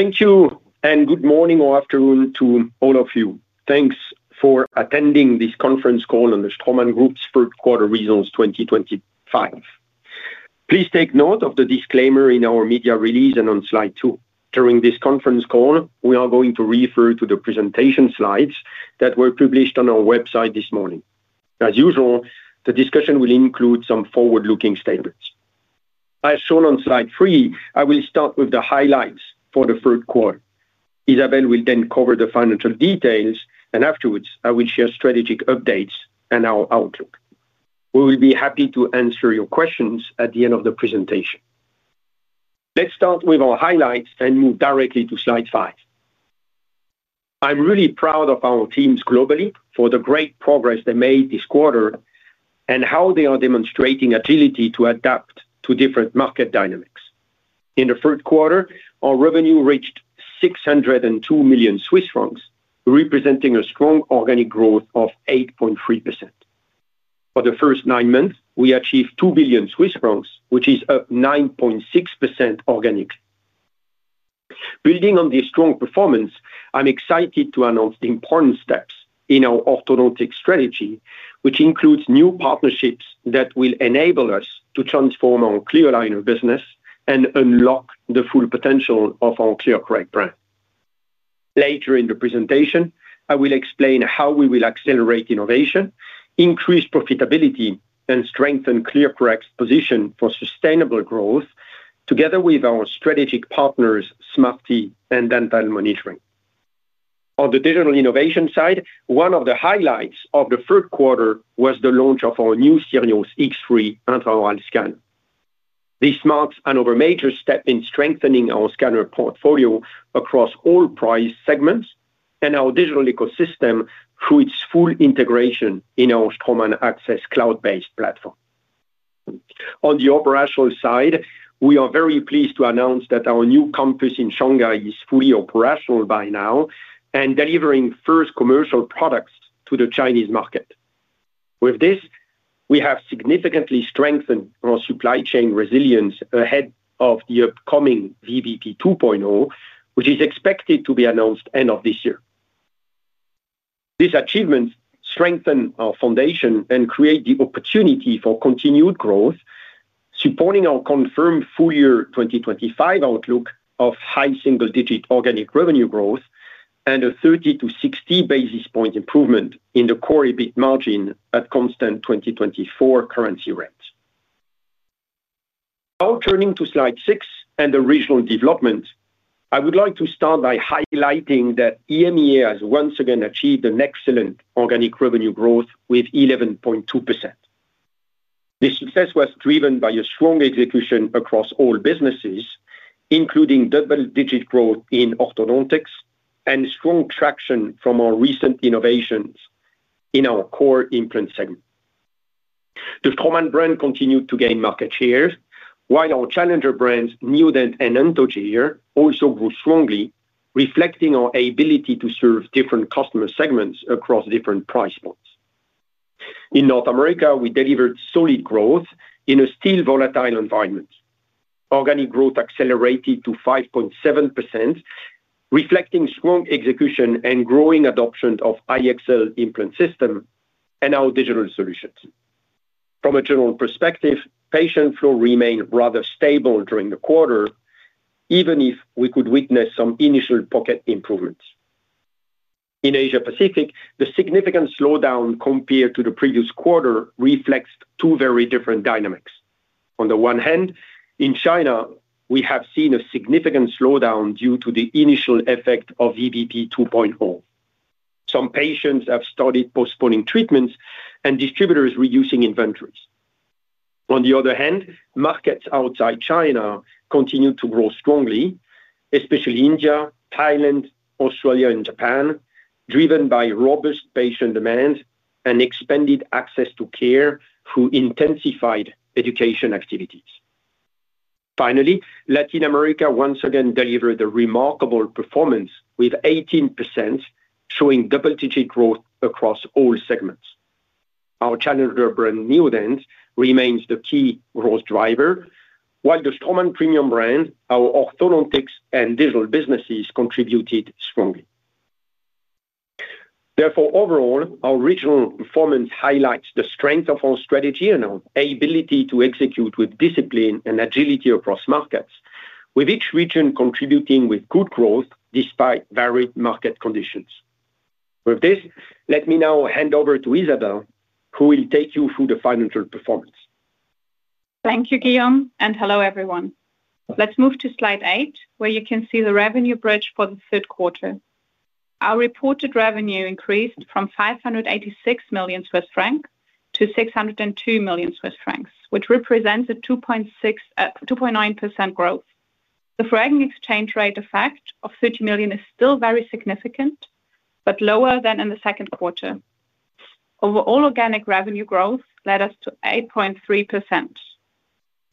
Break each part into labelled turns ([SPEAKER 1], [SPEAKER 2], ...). [SPEAKER 1] Thank you and good morning or afternoon to all of you. Thanks for attending this conference call on the Straumann Group's third quarter results, 2025. Please take note of the disclaimer in our media release and on slide two. During this conference call, we are going to refer to the presentation slides that were published on our website this morning. As usual, the discussion will include some forward-looking statements. As shown on slide three, I will start with the highlights for the third quarter. Isabelle will then cover the financial details, and afterwards, I will share strategic updates and our outlook. We will be happy to answer your questions at the end of the presentation. Let's start with our highlights and move directly to slide five. I'm really proud of our teams globally for the great progress they made this quarter and how they are demonstrating agility to adapt to different market dynamics. In the third quarter, our revenue reached 602 million Swiss francs, representing a strong organic growth of 8.3%. For the first nine months, we achieved 2 billion Swiss francs, which is up 9.6% organically. Building on this strong performance, I'm excited to announce the important steps in our orthodontics strategy, which includes new partnerships that will enable us to transform our clear aligner business and unlock the full potential of our ClearCorrect brand. Later in the presentation, I will explain how we will accelerate innovation, increase profitability, and strengthen ClearCorrect's position for sustainable growth together with our strategic partners, Smarty and Dental Monitoring. On the digital innovation side, one of the highlights of the third quarter was the launch of our new Sirius X3 intraoral scanner. This marks another major step in strengthening our scanner portfolio across all price segments and our digital ecosystem through its full integration in our Straumann Access cloud-based platform. On the operational side, we are very pleased to announce that our new campus in Shanghai is fully operational by now and delivering first commercial products to the Chinese market. With this, we have significantly strengthened our supply chain resilience ahead of the upcoming VBP 2.0, which is expected to be announced end of this year. These achievements strengthen our foundation and create the opportunity for continued growth, supporting our confirmed full-year 2025 outlook of high single-digit organic revenue growth and a 30 to 60 basis point improvement in the core EBIT margin at constant 2024 currency rates. Now turning to slide six and the regional development, I would like to start by highlighting that EMEA has once again achieved an excellent organic revenue growth with 11.2%. This success was driven by a strong execution across all businesses, including double-digit growth in orthodontics and strong traction from our recent innovations in our core implant segment. The Straumann brand continued to gain market share, while our challenger brands, Neodent and Anthogyr, also grew strongly, reflecting our ability to serve different customer segments across different price points. In North America, we delivered solid growth in a still volatile environment. Organic growth accelerated to 5.7%, reflecting strong execution and growing adoption of IXL implant system and our digital solutions. From a general perspective, patient flow remained rather stable during the quarter, even if we could witness some initial pocket improvements. In Asia-Pacific, the significant slowdown compared to the previous quarter reflects two very different dynamics. On the one hand, in China, we have seen a significant slowdown due to the initial effect of VBP 2.0. Some patients have started postponing treatments and distributors reducing inventories. On the other hand, markets outside China continue to grow strongly, especially India, Thailand, Australia, and Japan, driven by robust patient demand and expanded access to care through intensified education activities. Finally, Latin America once again delivered a remarkable performance with 18%, showing double-digit growth across all segments. Our challenger brand, Neodent, remains the key growth driver, while the Straumann premium brand, our orthodontics and digital businesses contributed strongly. Therefore, overall, our regional performance highlights the strength of our strategy and our ability to execute with discipline and agility across markets, with each region contributing with good growth despite varied market conditions. With this, let me now hand over to Isabelle, who will take you through the financial performance.
[SPEAKER 2] Thank you, Guillaume, and hello everyone. Let's move to slide eight, where you can see the revenue bridge for the third quarter. Our reported revenue increased from 586 million Swiss francs to 602 million Swiss francs, which represents a 2.9% growth. The flagging exchange rate effect of 30 million is still very significant, but lower than in the second quarter. Overall organic revenue growth led us to 8.3%.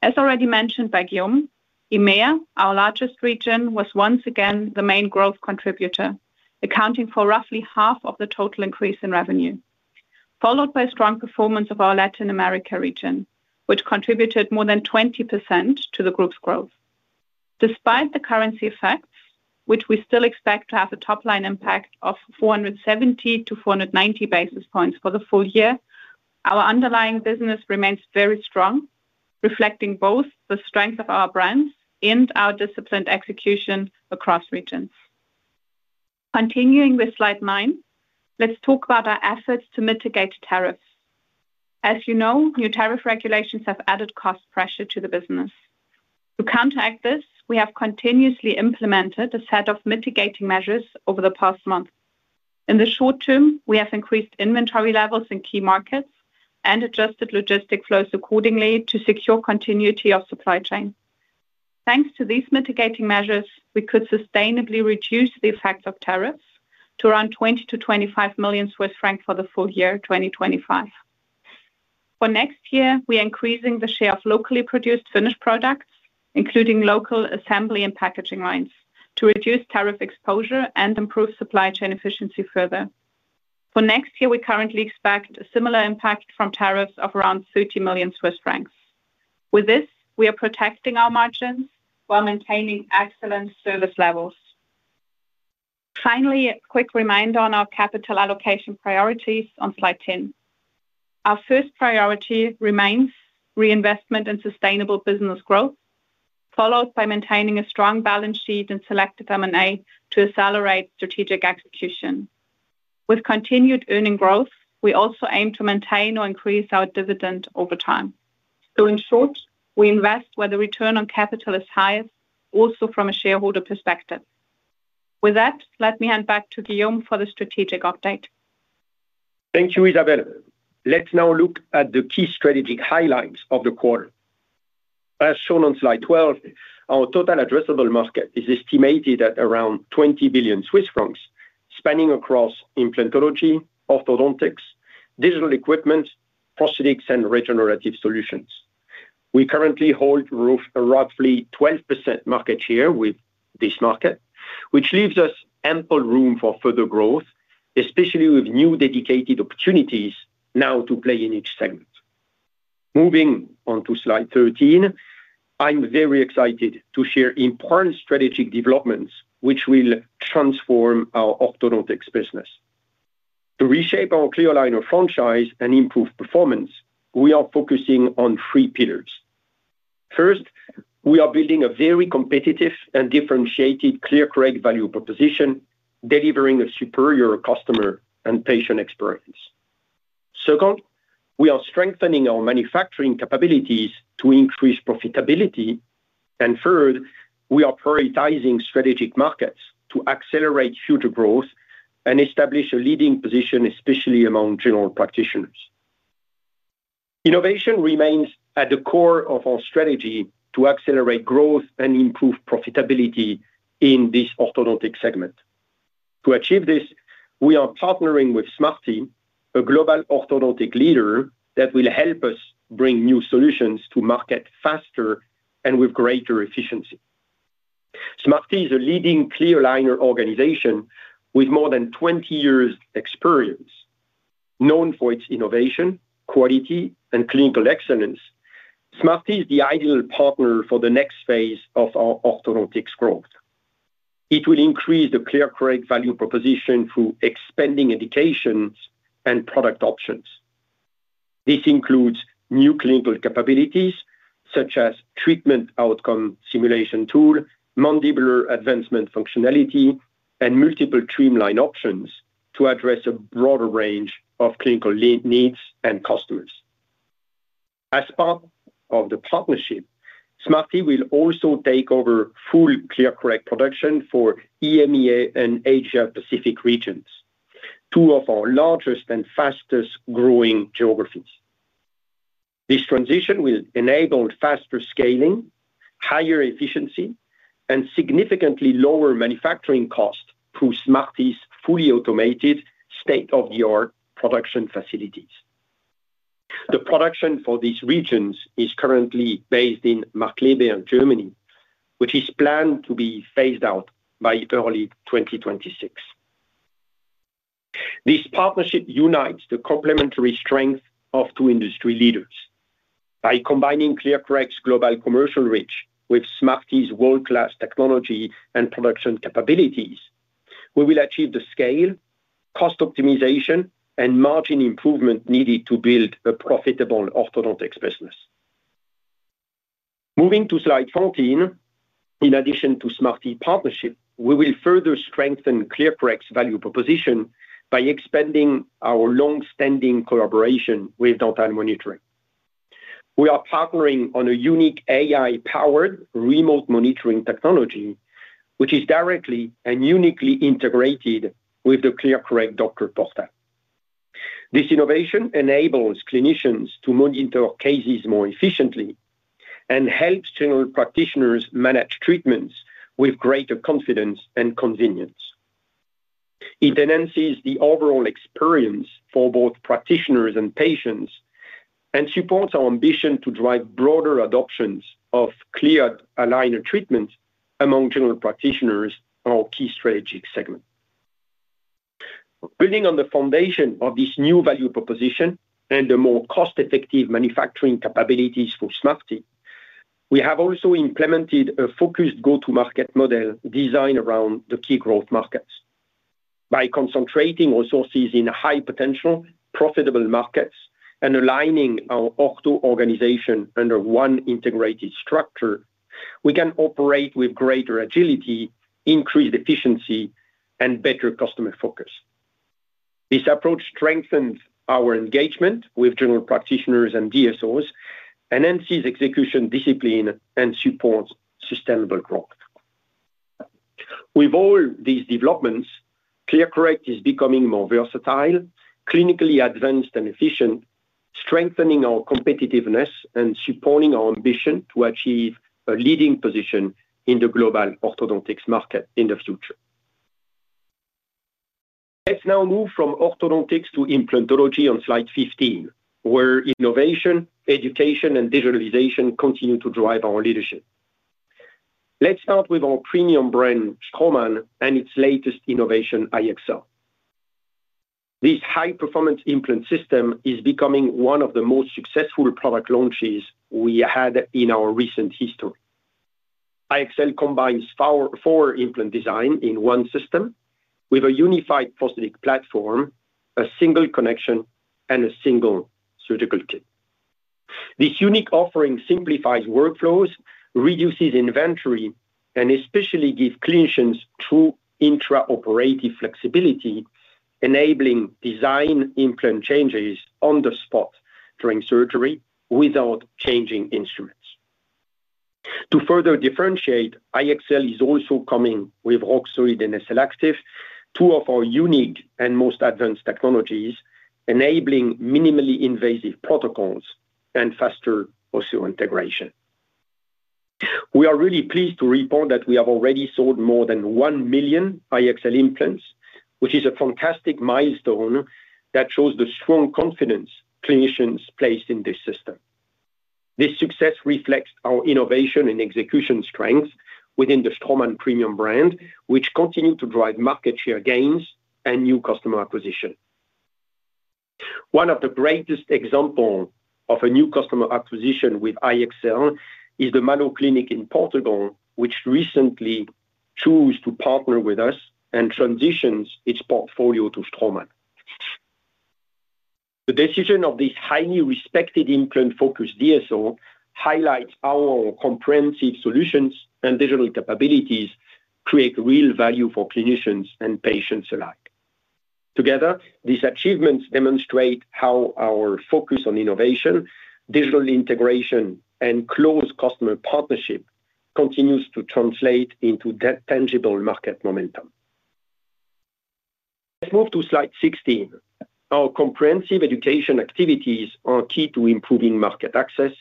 [SPEAKER 2] As already mentioned by Guillaume, EMEA, our largest region, was once again the main growth contributor, accounting for roughly half of the total increase in revenue, followed by a strong performance of our Latin America region, which contributed more than 20% to the group's growth. Despite the currency effects, which we still expect to have a top-line impact of 470 to 490 basis points for the full year, our underlying business remains very strong, reflecting both the strength of our brands and our disciplined execution across regions. Continuing with slide nine, let's talk about our efforts to mitigate tariffs. As you know, new tariff regulations have added cost pressure to the business. To counteract this, we have continuously implemented a set of mitigating measures over the past month. In the short term, we have increased inventory levels in key markets and adjusted logistic flows accordingly to secure continuity of supply chain. Thanks to these mitigating measures, we could sustainably reduce the effects of tariffs to around 20 million to 25 million Swiss francs for the full year, 2025. For next year, we are increasing the share of locally produced finished products, including local assembly and packaging lines, to reduce tariff exposure and improve supply chain efficiency further. For next year, we currently expect a similar impact from tariffs of around 30 million Swiss francs. With this, we are protecting our margins while maintaining excellent service levels. Finally, a quick reminder on our capital allocation priorities on slide 10. Our first priority remains reinvestment in sustainable business growth, followed by maintaining a strong balance sheet and selective M&A to accelerate strategic execution. With continued earning growth, we also aim to maintain or increase our dividend over time. In short, we invest where the return on capital is highest, also from a shareholder perspective. With that, let me hand back to Guillaume for the strategic update.
[SPEAKER 1] Thank you, Isabelle. Let's now look at the key strategic highlights of the quarter. As shown on slide 12, our total addressable market is estimated at around 20 billion Swiss francs, spanning across implantology, orthodontics, digital equipment, prosthetics, and regenerative solutions. We currently hold roughly 12% market share within this market, which leaves us ample room for further growth, especially with new dedicated opportunities now to play in each segment. Moving on to slide 13, I'm very excited to share important strategic developments which will transform our orthodontics business. To reshape our clear aligner franchise and improve performance, we are focusing on three pillars. First, we are building a very competitive and differentiated ClearCorrect value proposition, delivering a superior customer and patient experience. Second, we are strengthening our manufacturing capabilities to increase profitability. Third, we are prioritizing strategic markets to accelerate future growth and establish a leading position, especially among general practitioners. Innovation remains at the core of our strategy to accelerate growth and improve profitability in this orthodontics segment. To achieve this, we are partnering with Smarty, a global orthodontic leader that will help us bring new solutions to market faster and with greater efficiency. Smarty is a leading clear aligner organization with more than 20 years' experience. Known for its innovation, quality, and clinical excellence, Smarty is the ideal partner for the next phase of our orthodontics growth. It will increase the ClearCorrect value proposition through expanding education and product options. This includes new clinical capabilities such as treatment outcome simulation tools, mandibular advancement functionality, and multiple trim line options to address a broader range of clinical needs and customers. As part of the partnership, Smarty will also take over full ClearCorrect production for EMEA and Asia-Pacific regions, two of our largest and fastest growing geographies. This transition will enable faster scaling, higher efficiency, and significantly lower manufacturing costs through Smarty's fully automated state-of-the-art production facilities. The production for these regions is currently based in Markkleeberg, Germany, which is planned to be phased out by early 2026. This partnership unites the complementary strength of two industry leaders. By combining ClearCorrect's global commercial reach with Smarty's world-class technology and production capabilities, we will achieve the scale, cost optimization, and margin improvement needed to build a profitable orthodontics business. Moving to slide 14, in addition to the Smarty partnership, we will further strengthen ClearCorrect's value proposition by expanding our longstanding collaboration with Dental Monitoring. We are partnering on a unique AI-powered remote monitoring technology, which is directly and uniquely integrated with the ClearCorrect Doctor Portal. This innovation enables clinicians to monitor cases more efficiently and helps general practitioners manage treatments with greater confidence and convenience. It enhances the overall experience for both practitioners and patients and supports our ambition to drive broader adoptions of clear line of treatment among general practitioners, our key strategic segment. Building on the foundation of this new value proposition and the more cost-effective manufacturing capabilities from Smarty, we have also implemented a focused go-to-market model designed around the key growth markets. By concentrating resources in high-potential, profitable markets and aligning our orthodontic organization under one integrated structure, we can operate with greater agility, increased efficiency, and better customer focus. This approach strengthens our engagement with general practitioners and DSOs, enhances execution discipline, and supports sustainable growth. With all these developments, ClearCorrect is becoming more versatile, clinically advanced, and efficient, strengthening our competitiveness and supporting our ambition to achieve a leading position in the global orthodontics market in the future. Let's now move from orthodontics to implantology on slide 15, where innovation, education, and digitalization continue to drive our leadership. Let's start with our premium brand, Straumann, and its latest innovation, IXL. This high-performance implant system is becoming one of the most successful product launches we had in our recent history. IXL combines four implant designs in one system with a unified prosthetic platform, a single connection, and a single surgical kit. This unique offering simplifies workflows, reduces inventory, and especially gives clinicians true intraoperative flexibility, enabling design implant changes on the spot during surgery without changing instruments. To further differentiate, IXL is also coming with RockSolid and SLActive, two of our unique and most advanced technologies, enabling minimally invasive protocols and faster osseointegration. We are really pleased to report that we have already sold more than 1 million IXL implants, which is a fantastic milestone that shows the strong confidence clinicians place in this system. This success reflects our innovation and execution strength within the Straumann premium brand, which continues to drive market share gains and new customer acquisition. One of the greatest examples of a new customer acquisition with IXL is the Malo Clinic in Portugal, which recently chose to partner with us and transitioned its portfolio to Straumann. The decision of this highly respected implant-focused DSO highlights how our comprehensive solutions and digital capabilities create real value for clinicians and patients alike. Together, these achievements demonstrate how our focus on innovation, digital integration, and close customer partnership continues to translate into that tangible market momentum. Let's move to slide 16. Our comprehensive education activities are key to improving market access,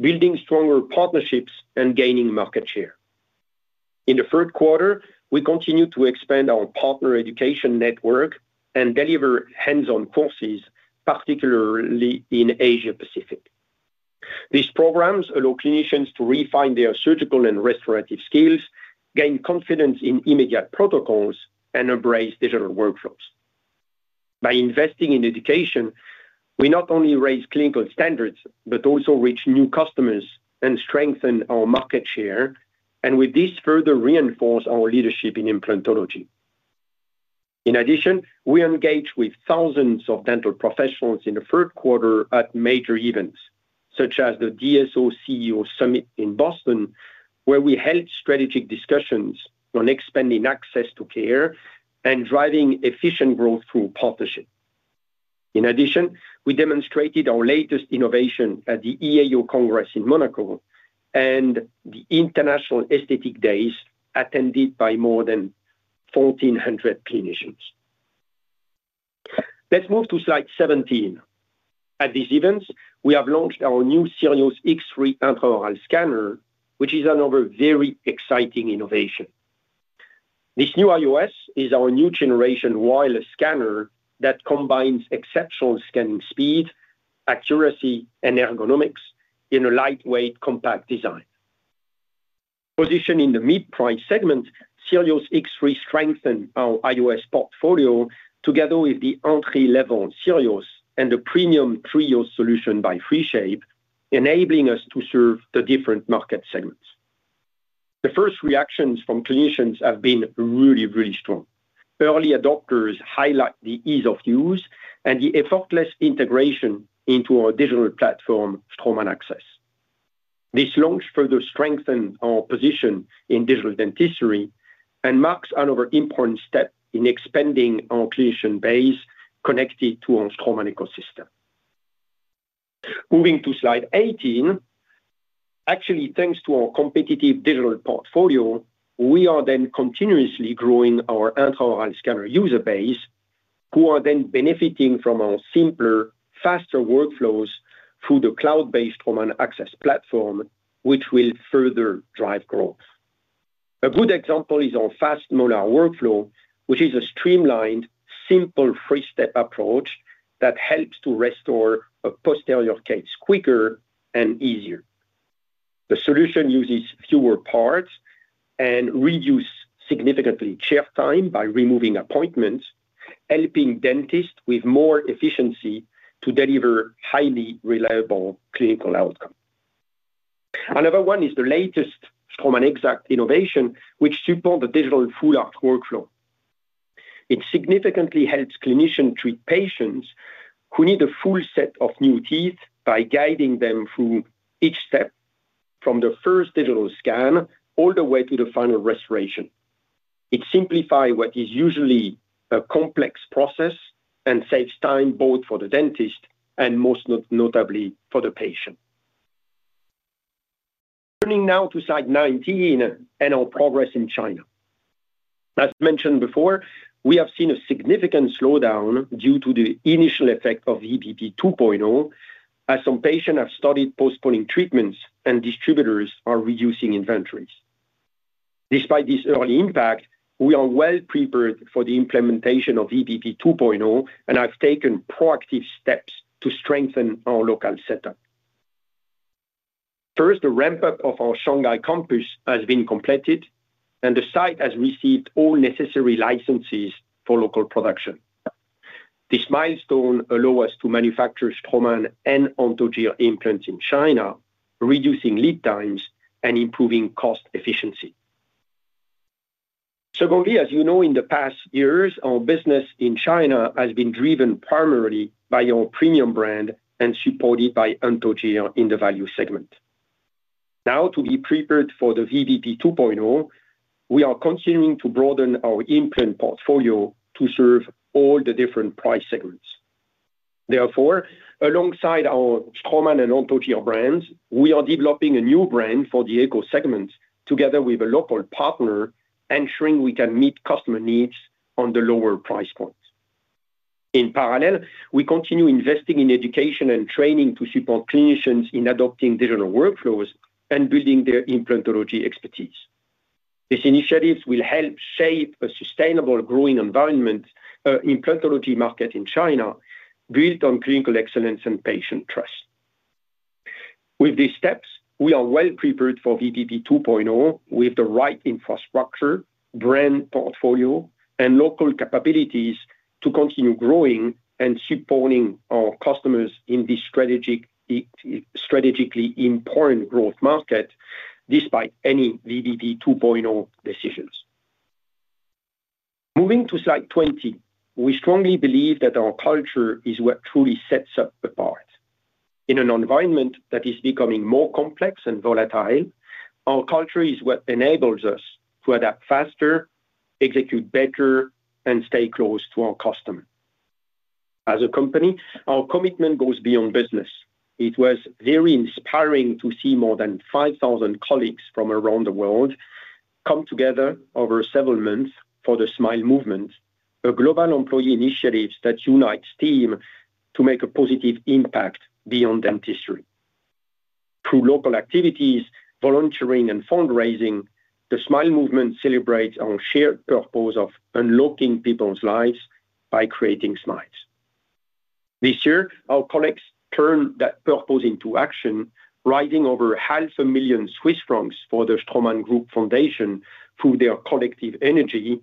[SPEAKER 1] building stronger partnerships, and gaining market share. In the third quarter, we continue to expand our partner education network and deliver hands-on courses, particularly in Asia-Pacific. These programs allow clinicians to refine their surgical and restorative skills, gain confidence in immediate protocols, and embrace digital workflows. By investing in education, we not only raise clinical standards but also reach new customers and strengthen our market share, and with this, further reinforce our leadership in implantology. In addition, we engage with thousands of dental professionals in the third quarter at major events, such as the DSO CEO Summit in Boston, where we held strategic discussions on expanding access to care and driving efficient growth through partnership. In addition, we demonstrated our latest innovation at the EAO Congress in Monaco and the International Aesthetic Days attended by more than 1,400 clinicians. Let's move to slide 17. At these events, we have launched our new Sirius X3 intraoral scanner, which is another very exciting innovation. This new IOS is our new generation wireless scanner that combines exceptional scanning speed, accuracy, and ergonomics in a lightweight, compact design. Positioned in the mid-price segment, Sirius X3 strengthened our IOS portfolio together with the entry-level Sirius and the premium Trios solution by FreeShape, enabling us to serve the different market segments. The first reactions from clinicians have been really, really strong. Early adopters highlight the ease of use and the effortless integration into our digital platform, Straumann Access. This launch further strengthened our position in digital dentistry and marks another important step in expanding our clinician base connected to our Straumann ecosystem. Moving to slide 18, actually, thanks to our competitive digital portfolio, we are then continuously growing our intraoral scanner user base, who are then benefiting from our simpler, faster workflows through the cloud-based Straumann Access platform, which will further drive growth. A good example is our Fast Molar workflow, which is a streamlined, simple three-step approach that helps to restore a posterior case quicker and easier. The solution uses fewer parts and reduces significantly chair time by removing appointments, helping dentists with more efficiency to deliver highly reliable clinical outcomes. Another one is the latest Straumann Exact innovation, which supports the digital full-arch workflow. It significantly helps clinicians treat patients who need a full set of new teeth by guiding them through each step, from the first digital scan all the way to the final restoration. It simplifies what is usually a complex process and saves time both for the dentist and most notably for the patient. Turning now to slide 19 and our progress in China. As mentioned before, we have seen a significant slowdown due to the initial effect of VBP 2.0, as some patients have started postponing treatments and distributors are reducing inventories. Despite this early impact, we are well prepared for the implementation of VBP 2.0, and I've taken proactive steps to strengthen our local setup. First, the ramp-up of our Shanghai campus has been completed, and the site has received all necessary licenses for local production. This milestone allows us to manufacture Straumann and Anthogyr implants in China, reducing lead times and improving cost efficiency. Secondly, as you know, in the past years, our business in China has been driven primarily by our premium brand and supported by Anthogyr in the value segment. Now, to be prepared for the VBP 2.0, we are continuing to broaden our implant portfolio to serve all the different price segments. Therefore, alongside our Straumann and Anthogyr brands, we are developing a new brand for the eco-segment together with a local partner, ensuring we can meet customer needs on the lower price point. In parallel, we continue investing in education and training to support clinicians in adopting digital workflows and building their implantology expertise. These initiatives will help shape a sustainable growing environment in the implantology market in China, built on clinical excellence and patient trust. With these steps, we are well prepared for VBP 2.0 with the right infrastructure, brand portfolio, and local capabilities to continue growing and supporting our customers in this strategically important growth market despite any VBP 2.0 decisions. Moving to slide 20, we strongly believe that our culture is what truly sets us apart. In an environment that is becoming more complex and volatile, our culture is what enables us to adapt faster, execute better, and stay close to our customers. As a company, our commitment goes beyond business. It was very inspiring to see more than 5,000 colleagues from around the world come together over several months for the Smile Movement, a global employee initiative that unites teams to make a positive impact beyond dentistry. Through local activities, volunteering, and fundraising, the Smile Movement celebrates our shared purpose of unlocking people's lives by creating smiles. This year, our colleagues turned that purpose into action, raising over half a million Swiss francs for the Straumann Group Foundation through their collective energy,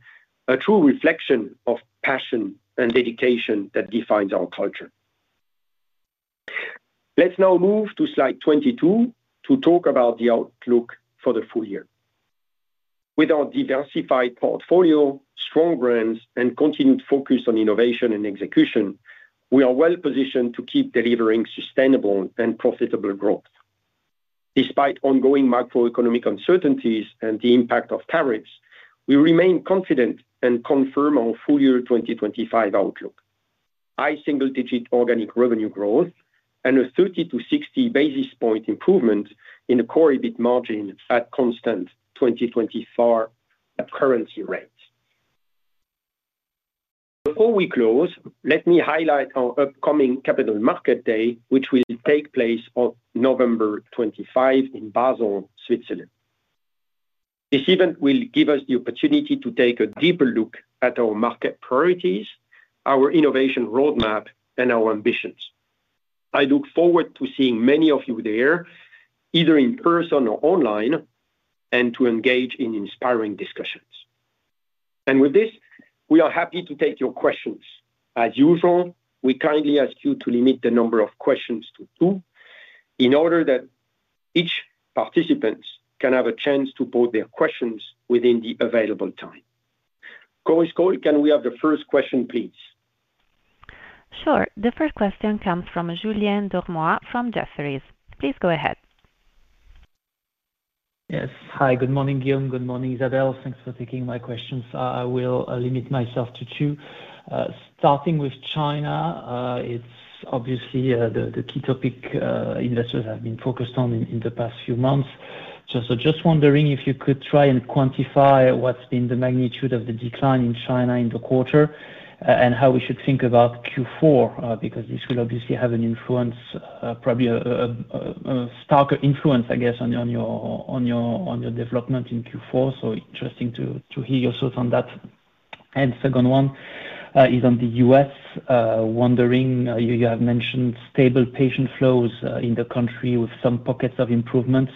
[SPEAKER 1] a true reflection of passion and dedication that defines our culture. Let's now move to slide 22 to talk about the outlook for the full year. With our diversified portfolio, strong brands, and continued focus on innovation and execution, we are well positioned to keep delivering sustainable and profitable growth. Despite ongoing macroeconomic uncertainties and the impact of tariffs, we remain confident and confirm our full-year 2025 outlook. High single-digit organic revenue growth and a 30 to 60 basis point improvement in the core EBIT margin at constant 2024 currency rate. Before we close, let me highlight our upcoming Capital Market Day, which will take place on November 25 in Basel, Switzerland. This event will give us the opportunity to take a deeper look at our market priorities, our innovation roadmap, and our ambitions. I look forward to seeing many of you there, either in person or online, and to engage in inspiring discussions. With this, we are happy to take your questions. As usual, we kindly ask you to limit the number of questions to two in order that each participant can have a chance to pose their questions within the available time. Going slowly, can we have the first question, please?
[SPEAKER 3] Sure. The first question comes from Julien Dormois from Jefferies. Please go ahead.
[SPEAKER 4] Yes. Hi. Good morning, Guillaume. Good morning, Isabelle. Thanks for taking my questions. I will limit myself to two. Starting with China, it's obviously the key topic investors have been focused on in the past few months. Just wondering if you could try and quantify what's been the magnitude of the decline in China in the quarter and how we should think about Q4 because this will obviously have an influence, probably a starker influence, I guess, on your development in Q4. Interesting to hear your thoughts on that. The second one is on the U.S. Wondering, you have mentioned stable patient flows in the country with some pockets of improvements.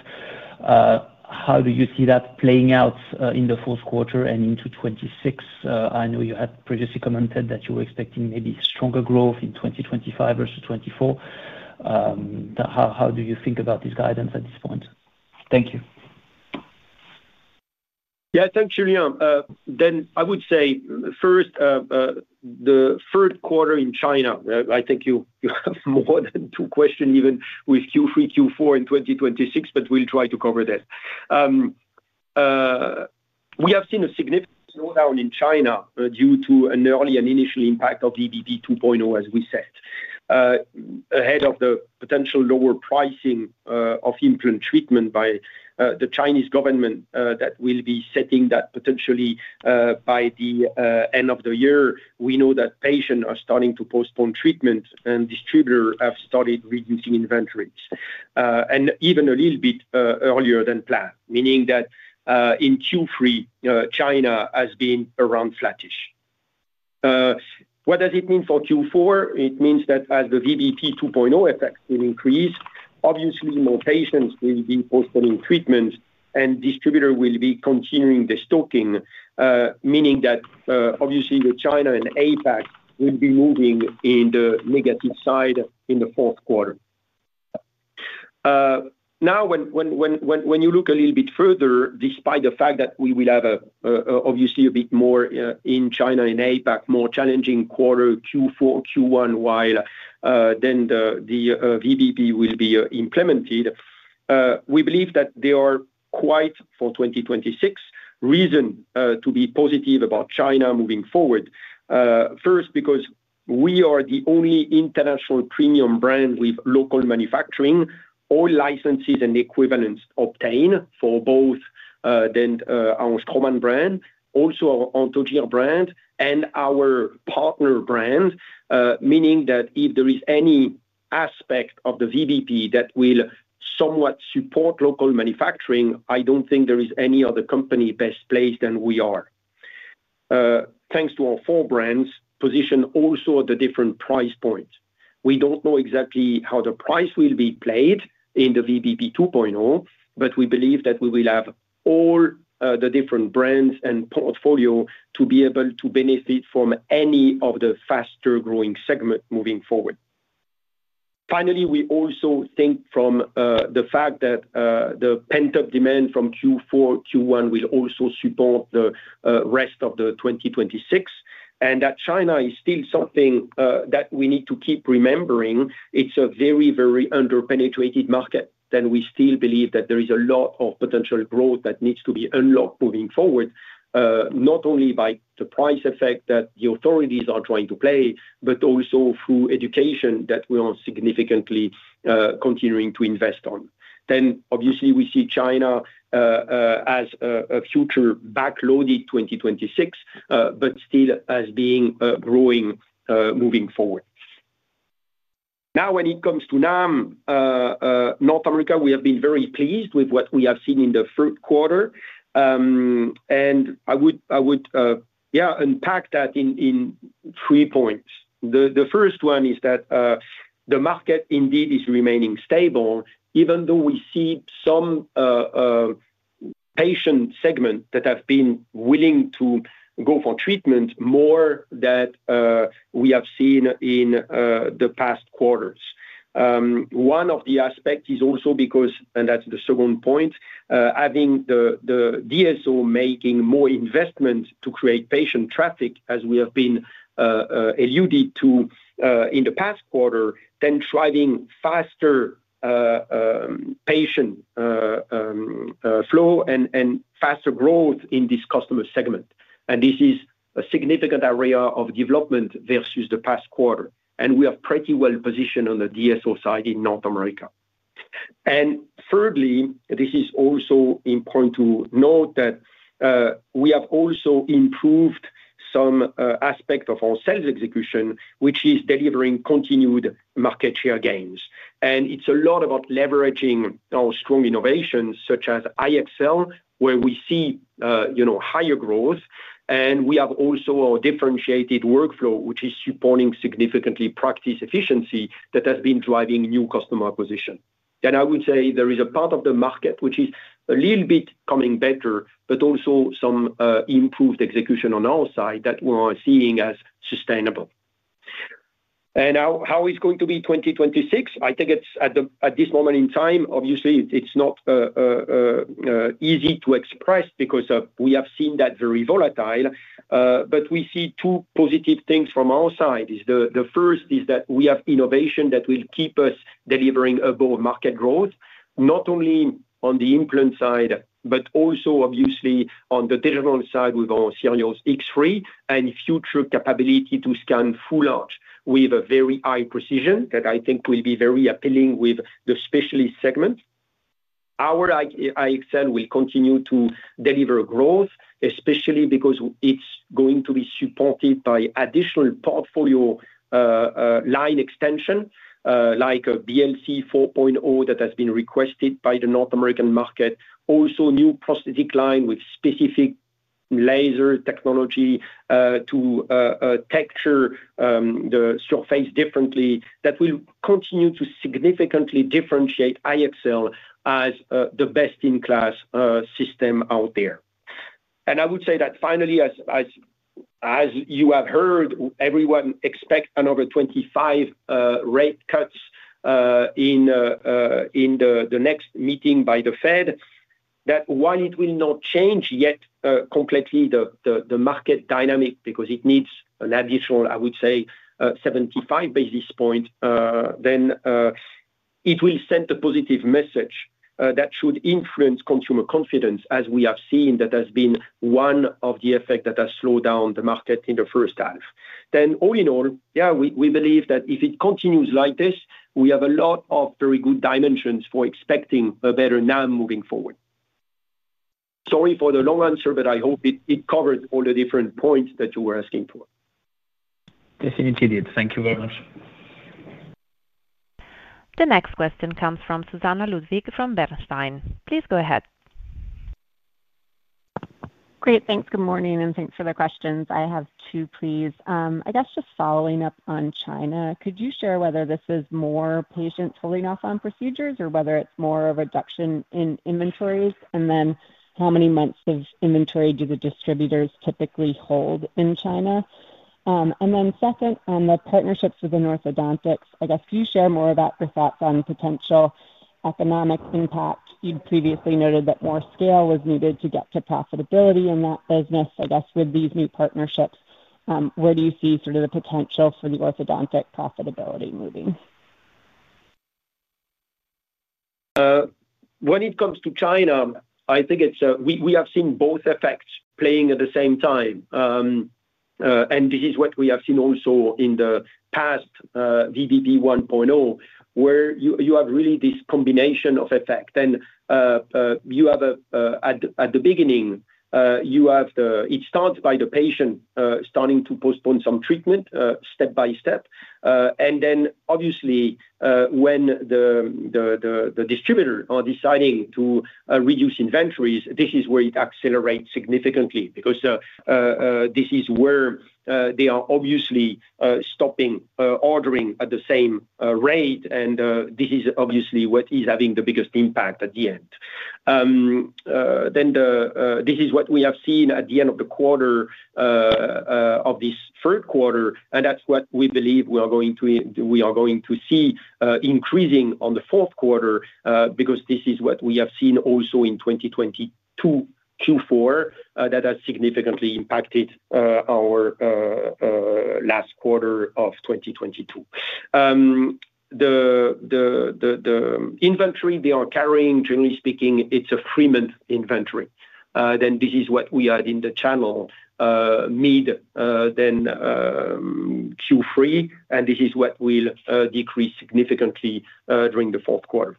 [SPEAKER 4] How do you see that playing out in the fourth quarter and into 2026? I know you had previously commented that you were expecting maybe stronger growth in 2025 versus 2024. How do you think about this guidance at this point? Thank you.
[SPEAKER 1] Yeah. Thanks, Julien. I would say first, the third quarter in China, I think you have more than two questions, even with Q3, Q4 in 2026, but we'll try to cover this. We have seen a significant slowdown in China due to an early and initial impact of VBP 2.0, as we said, ahead of the potential lower pricing of implant treatment by the Chinese government that will be setting that potentially by the end of the year. We know that patients are starting to postpone treatment and distributors have started reducing inventories, and even a little bit earlier than planned, meaning that in Q3, China has been around flattish. What does it mean for Q4? It means that as the VBP 2.0 effects will increase, obviously more patients will be postponing treatments and distributors will be continuing the stocking, meaning that obviously China and APAC will be moving in the negative side in the fourth quarter. Now, when you look a little bit further, despite the fact that we will have obviously a bit more in China and APAC, more challenging quarter Q4, Q1 than the VBP will be implemented, we believe that there are quite, for 2026, reasons to be positive about China moving forward. First, because we are the only international premium brand with local manufacturing, all licenses and equivalents obtained for both our Straumann brand, also our Anthogyr brand, and our partner brands, meaning that if there is any aspect of the VBP that will somewhat support local manufacturing, I don't think there is any other company best placed than we are. Thanks to our four brands positioned also at the different price points, we don't know exactly how the price will be played in the VBP 2.0, but we believe that we will have all the different brands and portfolio to be able to benefit from any of the faster growing segments moving forward. Finally, we also think from the fact that the pent-up demand from Q4, Q1 will also support the rest of 2026 and that China is still something that we need to keep remembering. It's a very, very underpenetrated market, and we still believe that there is a lot of potential growth that needs to be unlocked moving forward, not only by the price effect that the authorities are trying to play, but also through education that we are significantly continuing to invest on. Obviously, we see China as a future backloaded 2026, but still as being growing moving forward. Now, when it comes to North America, we have been very pleased with what we have seen in the third quarter. I would unpack that in three points. The first one is that the market indeed is remaining stable, even though we see some patient segments that have been willing to go for treatment more than we have seen in the past quarters. One of the aspects is also because, and that's the second point, having the DSO making more investments to create patient traffic, as we have alluded to in the past quarter, driving faster patient flow and faster growth in this customer segment. This is a significant area of development versus the past quarter. We are pretty well positioned on the DSO side in North America. Thirdly, it is also important to note that we have also improved some aspects of our sales execution, which is delivering continued market share gains. It's a lot about leveraging our strong innovations, such as IXL, where we see higher growth. We have also our differentiated workflow, which is supporting significantly practice efficiency that has been driving new customer acquisition. I would say there is a part of the market which is a little bit coming better, but also some improved execution on our side that we are seeing as sustainable. How is it going to be 2026? I think at this moment in time, obviously, it's not easy to express because we have seen that very volatile. We see two positive things from our side. The first is that we have innovation that will keep us delivering above market growth, not only on the implant side, but also obviously on the digital side with our Sirius X3 and future capability to scan full arch with a very high precision that I think will be very appealing with the specialist segment. Our IXL will continue to deliver growth, especially because it's going to be supported by additional portfolio line extension, like a BLC 4.0 that has been requested by the North American market. Also, a new prosthetic line with specific laser technology to texture the surface differently that will continue to significantly differentiate IXL as the best-in-class system out there. I would say that finally, as you have heard, everyone expects another 25 rate cuts in the next meeting by the Fed. While it will not change yet completely the market dynamic because it needs an additional 75 basis point, it will send a positive message that should influence consumer confidence, as we have seen that has been one of the effects that has slowed down the market in the first half. All in all, yeah, we believe that if it continues like this, we have a lot of very good dimensions for expecting a better NAM moving forward. Sorry for the long answer, but I hope it covered all the different points that you were asking for.
[SPEAKER 4] Definitely did. Thank you very much.
[SPEAKER 3] The next question comes from Susanna Ludwig from Bernstein. Please go ahead.
[SPEAKER 5] Great. Thanks. Good morning, and thanks for the questions. I have two, please. I guess just following up on China, could you share whether this is more patients holding off on procedures or whether it's more a reduction in inventories, and then how many months of inventory do the distributors typically hold in China? Second, on the partnerships within orthodontics, could you share more about your thoughts on potential economic impact? You'd previously noted that more scale was needed to get to profitability in that business. With these new partnerships, where do you see sort of the potential for the orthodontic profitability moving?
[SPEAKER 1] When it comes to China, I think we have seen both effects playing at the same time. This is what we have seen also in the past VBP 1.0, where you have really this combination of effects. You have at the beginning, it starts by the patient starting to postpone some treatment step by step. Obviously, when the distributors are deciding to reduce inventories, this is where it accelerates significantly because this is where they are obviously stopping ordering at the same rate. This is obviously what is having the biggest impact at the end. This is what we have seen at the end of the quarter of this third quarter. That's what we believe we are going to see increasing in the fourth quarter because this is what we have seen also in 2022 Q4 that has significantly impacted our last quarter of 2022. The inventory they are carrying, generally speaking, it's a three-month inventory. This is what we had in the channel mid-Q3. This is what will decrease significantly during the fourth quarter.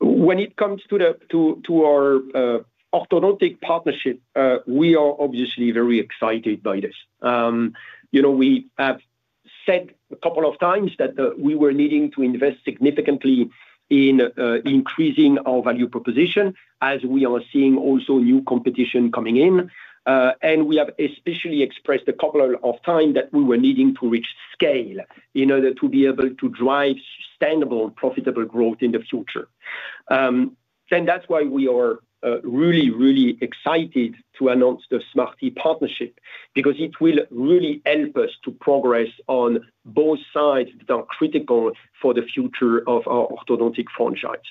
[SPEAKER 1] When it comes to our orthodontic partnership, we are obviously very excited by this. We have said a couple of times that we were needing to invest significantly in increasing our value proposition as we are seeing also new competition coming in. We have especially expressed a couple of times that we were needing to reach scale in order to be able to drive sustainable and profitable growth in the future. That's why we are really, really excited to announce the Smarty partnership because it will really help us to progress on both sides that are critical for the future of our orthodontic franchise.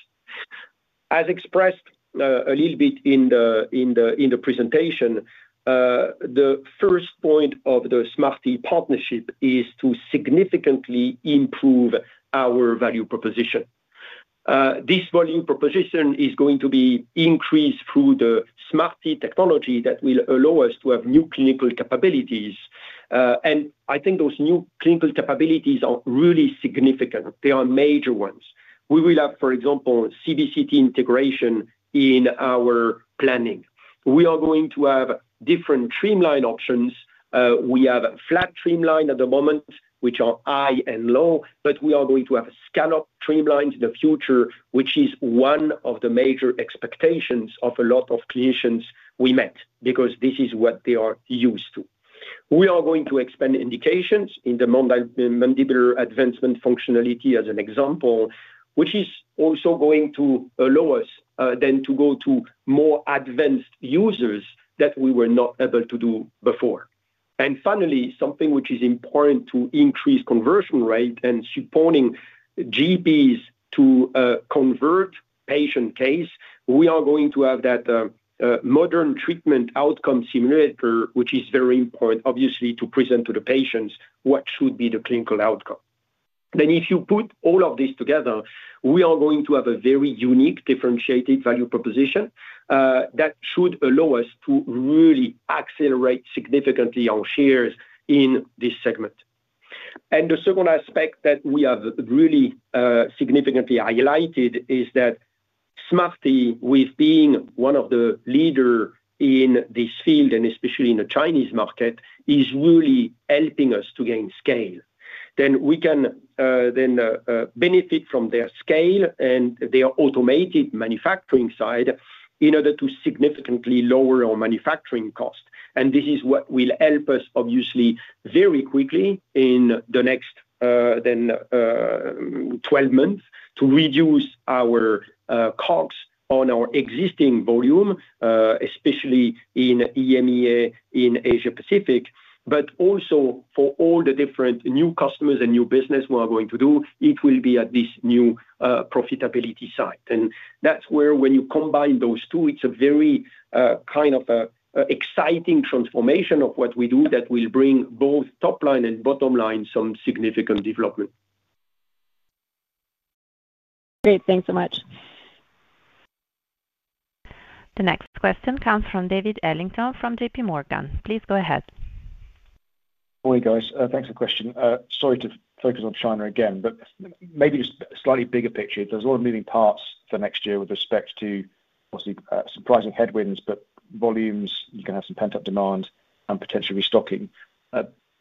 [SPEAKER 1] As expressed a little bit in the presentation, the first point of the Smarty partnership is to significantly improve our value proposition. This value proposition is going to be increased through the Smarty technology that will allow us to have new clinical capabilities. I think those new clinical capabilities are really significant. They are major ones. We will have, for example, CBCT integration in our planning. We are going to have different trim line options. We have a flat trim line at the moment, which are high and low, but we are going to have a scallop trim line in the future, which is one of the major expectations of a lot of clinicians we met because this is what they are used to. We are going to expand indications in the mandibular advancement functionality as an example, which is also going to allow us to go to more advanced users that we were not able to do before. Finally, something which is important to increase conversion rate and supporting GPs to convert patient cases, we are going to have that modern treatment outcome simulator, which is very important, obviously, to present to the patients what should be the clinical outcome. If you put all of this together, we are going to have a very unique, differentiated value proposition that should allow us to really accelerate significantly our shares in this segment. The second aspect that we have really significantly highlighted is that Smarty, with being one of the leaders in this field and especially in the Chinese market, is really helping us to gain scale. We can then benefit from their scale and their automated manufacturing side in order to significantly lower our manufacturing costs. This is what will help us, obviously, very quickly in the next 12 months to reduce our costs on our existing volume, especially in EMEA and Asia-Pacific, but also for all the different new customers and new business we are going to do. It will be at this new profitability side. That's where, when you combine those two, it's a very kind of exciting transformation of what we do that will bring both top line and bottom line some significant development.
[SPEAKER 3] Great. Thanks so much. The next question comes from David Adlington from J.P. Morgan. Please go ahead.
[SPEAKER 6] Morning, guys. Thanks for the question. Sorry to focus on China again, but maybe just a slightly bigger picture. There's a lot of moving parts for next year with respect to obviously surprising headwinds, but volumes, you can have some pent-up demand and potentially restocking.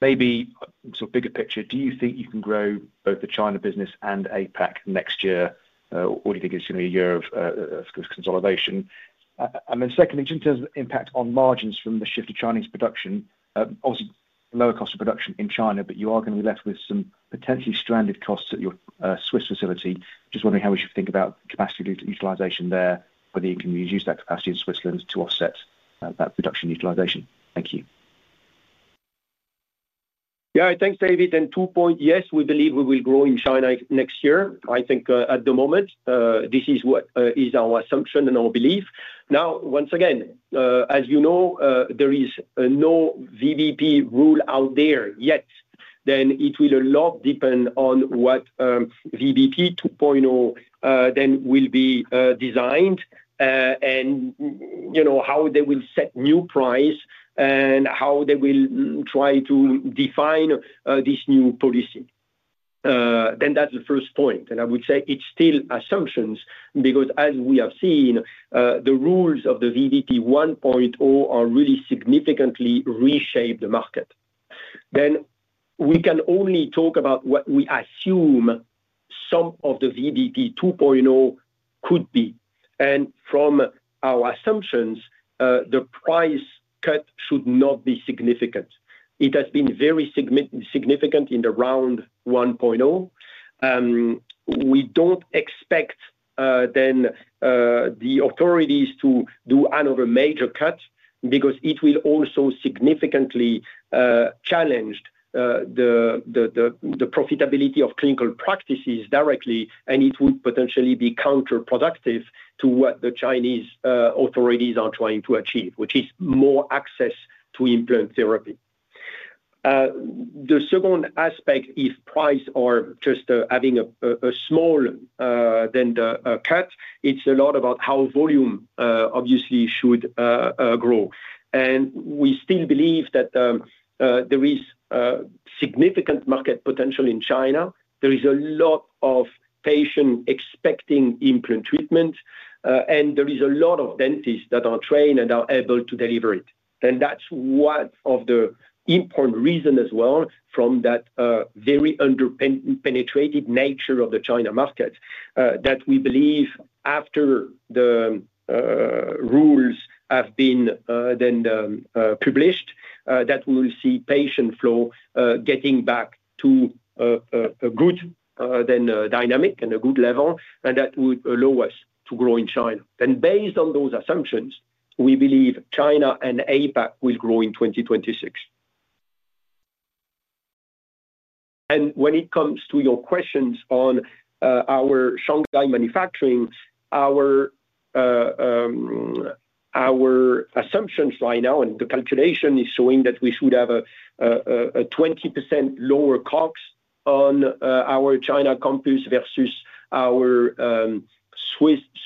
[SPEAKER 6] Maybe a sort of bigger picture, do you think you can grow both the China business and APAC next year, or do you think it's going to be a year of consolidation? Secondly, just in terms of the impact on margins from the shift to Chinese production, obviously lower cost of production in China, but you are going to be left with some potentially stranded costs at your Swiss facility. Just wondering how we should think about capacity utilization there, whether you can use that capacity in Switzerland to offset that production utilization. Thank you.
[SPEAKER 1] Yeah. Thanks, David. Two points. Yes, we believe we will grow in China next year. I think at the moment, this is what is our assumption and our belief. As you know, there is no VBP rule out there yet. It will a lot depend on what VBP 2.0 will be designed and how they will set new price and how they will try to define this new policy. That is the first point. I would say it's still assumptions because as we have seen, the rules of the VBP 1.0 really significantly reshaped the market. We can only talk about what we assume some of the VBP 2.0 could be. From our assumptions, the price cut should not be significant. It has been very significant in the round 1.0. We don't expect the authorities to do another major cut because it will also significantly challenge the profitability of clinical practices directly, and it would potentially be counterproductive to what the Chinese authorities are trying to achieve, which is more access to implant therapy. The second aspect, if prices are just having a small cut, it's a lot about how volume obviously should grow. We still believe that there is significant market potential in China. There are a lot of patients expecting implant treatment, and there are a lot of dentists that are trained and are able to deliver it. That is one of the important reasons as well from that very underpenetrated nature of the China market that we believe after the rules have been published, we will see patient flow getting back to a good dynamic and a good level, and that would allow us to grow in China. Based on those assumptions, we believe China and APAC will grow in 2026. When it comes to your questions on our Shanghai manufacturing, our assumptions right now and the calculation is showing that we should have a 20% lower cost on our China campus versus our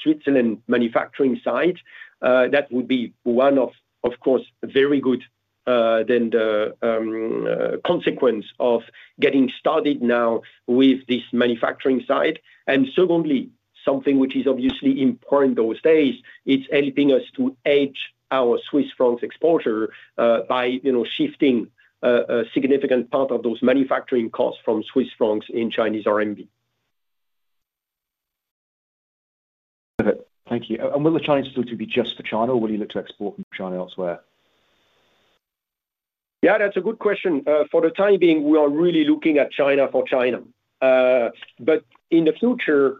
[SPEAKER 1] Switzerland manufacturing site. That would be one of, of course, very good consequences of getting started now with this manufacturing site. Secondly, something which is obviously important in those days, it's helping us to hedge our Swiss francs exposure by shifting a significant part of those manufacturing costs from Swiss francs in Chinese RMB.
[SPEAKER 6] Thank you. Will the Chinese still be just for China, or will you look to export from China elsewhere?
[SPEAKER 1] Yeah, that's a good question. For the time being, we are really looking at China for China. In the future,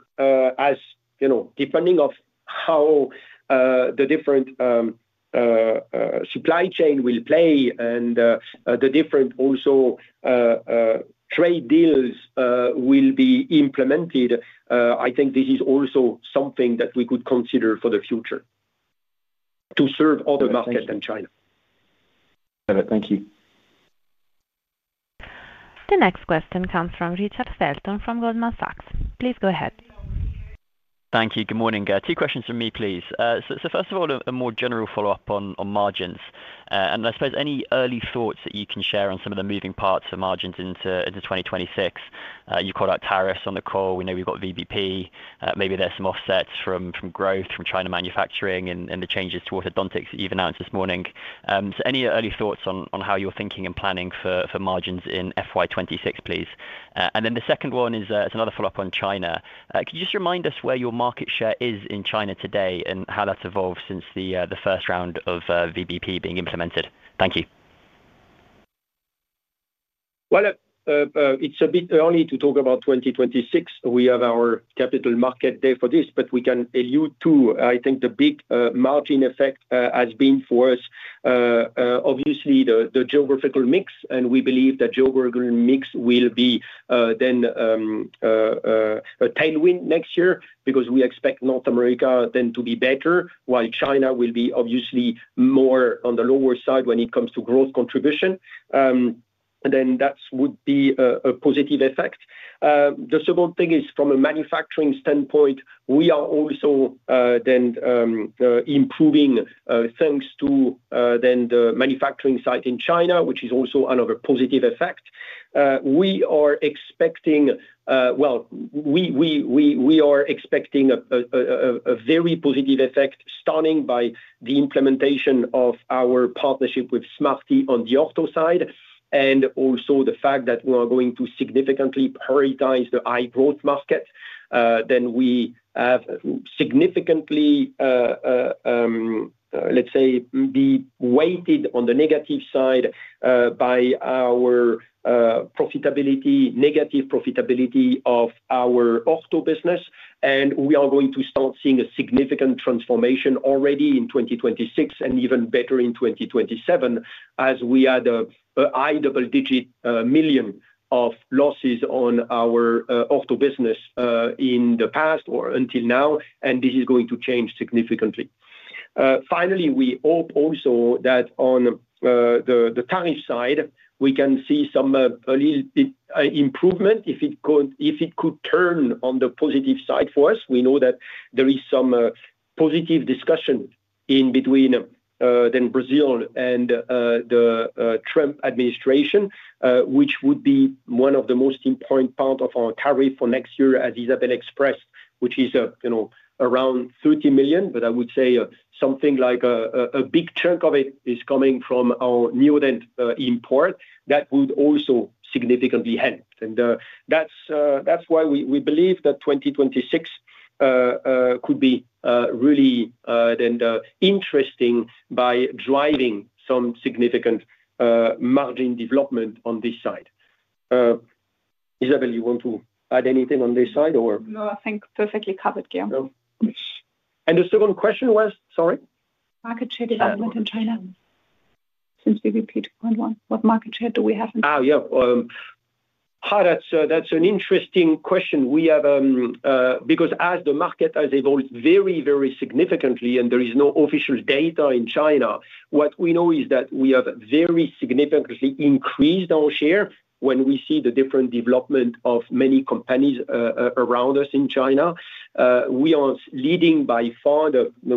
[SPEAKER 1] depending on how the different supply chains will play and the different trade deals will be implemented, I think this is also something that we could consider for the future to serve other markets than China.
[SPEAKER 6] Got it. Thank you.
[SPEAKER 3] The next question comes from Richard Felton from Goldman Sachs. Please go ahead.
[SPEAKER 7] Thank you. Good morning. Two questions from me, please. First of all, a more general follow-up on margins. I suppose any early thoughts that you can share on some of the moving parts of margins into 2026? You called out tariffs on the call. We know we've got VBP. Maybe there's some offsets from growth from China manufacturing and the changes to orthodontics that you've announced this morning. Any early thoughts on how you're thinking and planning for margins in FY26, please? The second one is another follow-up on China. Could you just remind us where your market share is in China today and how that's evolved since the first round of VBP being implemented? Thank you.
[SPEAKER 1] It is a bit early to talk about 2026. We have our Capital Market Day for this, but we can allude to, I think, the big margin effect has been for us, obviously, the geographical mix. We believe that geographical mix will be a tailwind next year because we expect North America to be better, while China will be more on the lower side when it comes to growth contribution. That would be a positive effect. The second thing is, from a manufacturing standpoint, we are also improving thanks to the manufacturing site in China, which is another positive effect. We are expecting a very positive effect starting with the implementation of our partnership with Smarty on the ortho side, and also the fact that we are going to significantly prioritize the high growth market. We have significantly, let's say, been weighted on the negative side by our profitability, negative profitability of our ortho business. We are going to start seeing a significant transformation already in 2026, and even better in 2027, as we had a high double-digit million of losses on our ortho business in the past or until now. This is going to change significantly. Finally, we hope also that on the tariff side, we can see some improvement if it could turn on the positive side for us. We know that there is some positive discussion between Brazil and the Trump administration, which would be one of the most important parts of our tariff for next year, as Isabelle expressed, which is around $30 million. I would say something like a big chunk of it is coming from our Neodent import. That would also significantly help. That is why we believe that 2026 could be really interesting by driving some significant margin development on this side. Isabelle, you want to add anything on this side, or?
[SPEAKER 2] No, I think perfectly covered, Guillaume.
[SPEAKER 1] The second question was, sorry?
[SPEAKER 2] Market share development in China. Since we repeat one-on-one, what market share do we have in China?
[SPEAKER 1] Yeah, that's an interesting question. As the market has evolved very, very significantly and there is no official data in China, what we know is that we have very significantly increased our share when we see the different development of many companies around us in China. We are leading by far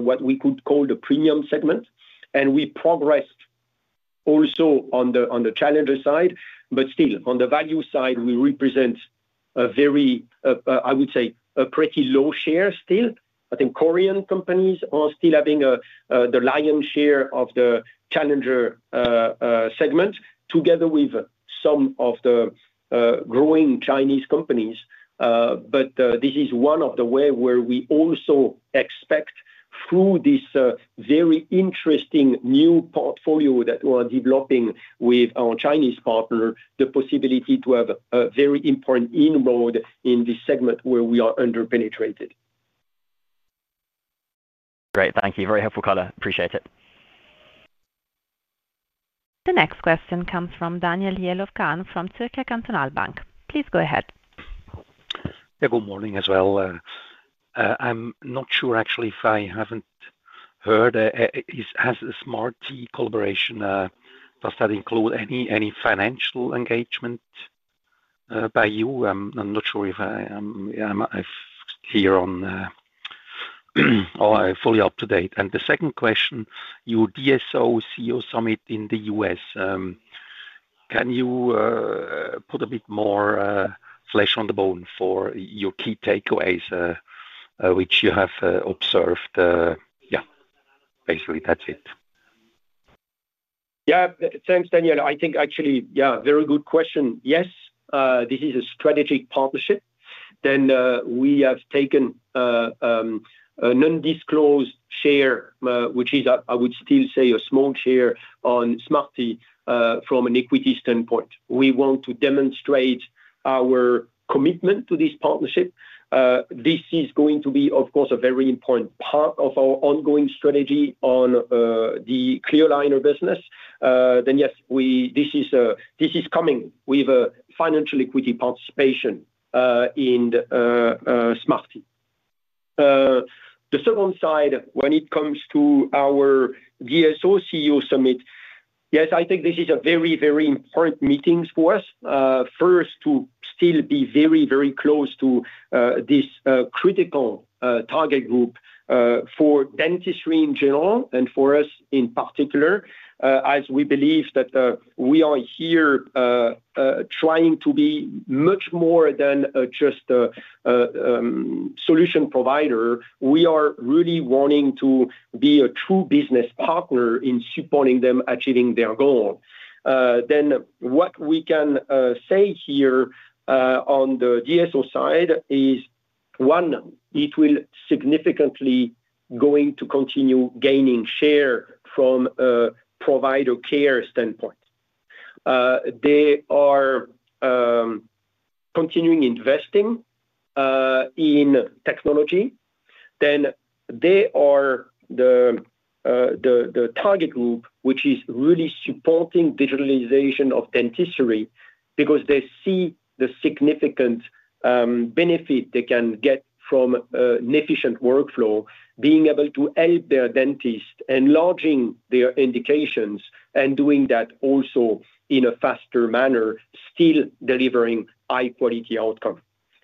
[SPEAKER 1] what we could call the premium segment, and we progressed also on the challenger side. Still, on the value side, we represent a pretty low share. I think Korean companies are still having the lion's share of the challenger segment together with some of the growing Chinese companies. This is one of the ways where we also expect, through this very interesting new portfolio that we are developing with our Chinese partner, the possibility to have a very important inroad in this segment where we are underpenetrated.
[SPEAKER 7] Great. Thank you. Very helpful, color. Appreciate it.
[SPEAKER 3] The next question comes from Daniel Jelovcan from Zürcher Kantonalbank. Please go ahead.
[SPEAKER 8] Yeah, good morning as well. I'm not sure actually if I haven't heard. Has the Smarty collaboration, does that include any financial engagement by you? I'm not sure if I'm fully up to date. The second question, your DSO CEO summit in the U.S., can you put a bit more flesh on the bone for your key takeaways which you have observed? Yeah, basically, that's it.
[SPEAKER 1] Yeah, thanks, Daniel. I think actually, yeah, very good question. Yes, this is a strategic partnership. We have taken an undisclosed share, which is, I would still say, a small share on Smarty from an equity standpoint. We want to demonstrate our commitment to this partnership. This is going to be, of course, a very important part of our ongoing strategy on the clear line of business. Yes, this is coming with a financial equity participation in Smarty. The second side, when it comes to our DSO CEO summit, this is a very, very important meeting for us. First, to still be very, very close to this critical target group for dentistry in general and for us in particular, as we believe that we are here trying to be much more than just a solution provider. We are really wanting to be a true business partner in supporting them achieving their goal. What we can say here on the DSO side is, one, it will significantly continue gaining share from a provider care standpoint. They are continuing investing in technology. They are the target group which is really supporting digitalization of dentistry because they see the significant benefit they can get from an efficient workflow, being able to help their dentists, enlarging their indications, and doing that also in a faster manner, still delivering high-quality outcomes.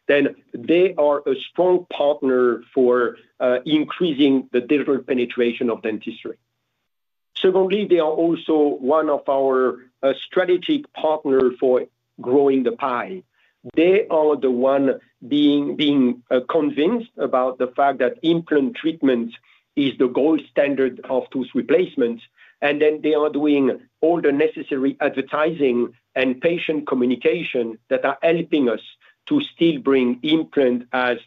[SPEAKER 1] They are a strong partner for increasing the digital penetration of dentistry. Secondly, they are also one of our strategic partners for growing the pie. They are the ones being convinced about the fact that implant treatment is the gold standard of tooth replacements. They are doing all the necessary advertising and patient communication that are helping us to still bring implants as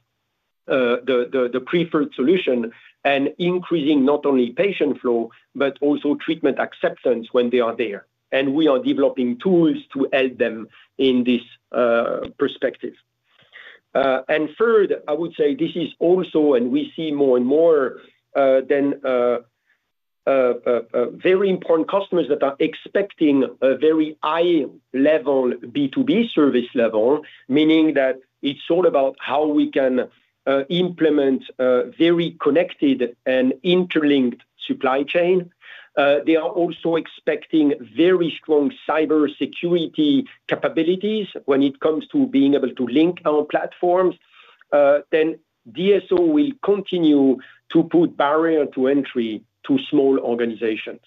[SPEAKER 1] the preferred solution and increasing not only patient flow but also treatment acceptance when they are there. We are developing tools to help them in this perspective. Third, I would say this is also, and we see more and more very important customers that are expecting a very high-level B2B service level, meaning that it's all about how we can implement a very connected and interlinked supply chain. They are also expecting very strong cybersecurity capabilities when it comes to being able to link our platforms. DSO will continue to put barriers to entry to small organizations.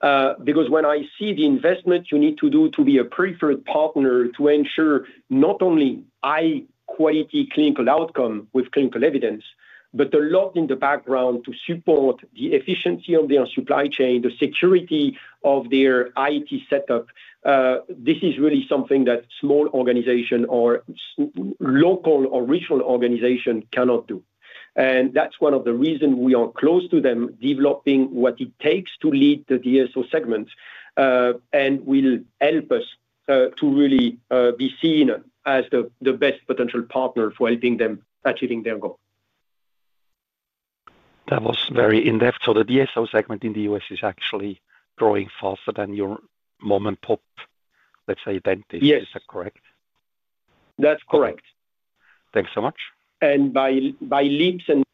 [SPEAKER 1] When I see the investment you need to do to be a preferred partner to ensure not only high-quality clinical outcomes with clinical evidence, but a lot in the background to support the efficiency of their supply chain, the security of their IT setup, this is really something that small organizations or local or regional organizations cannot do. That's one of the reasons we are close to them developing what it takes to lead the DSO segment and will help us to really be seen as the best potential partner for helping them achieving their goal.
[SPEAKER 8] That was very in-depth. The DSO segment in the U.S. is actually growing faster than your mom-and-pop, let's say, dentists. Is that correct?
[SPEAKER 1] That's correct.
[SPEAKER 8] Thanks so much.
[SPEAKER 1] By leaps and.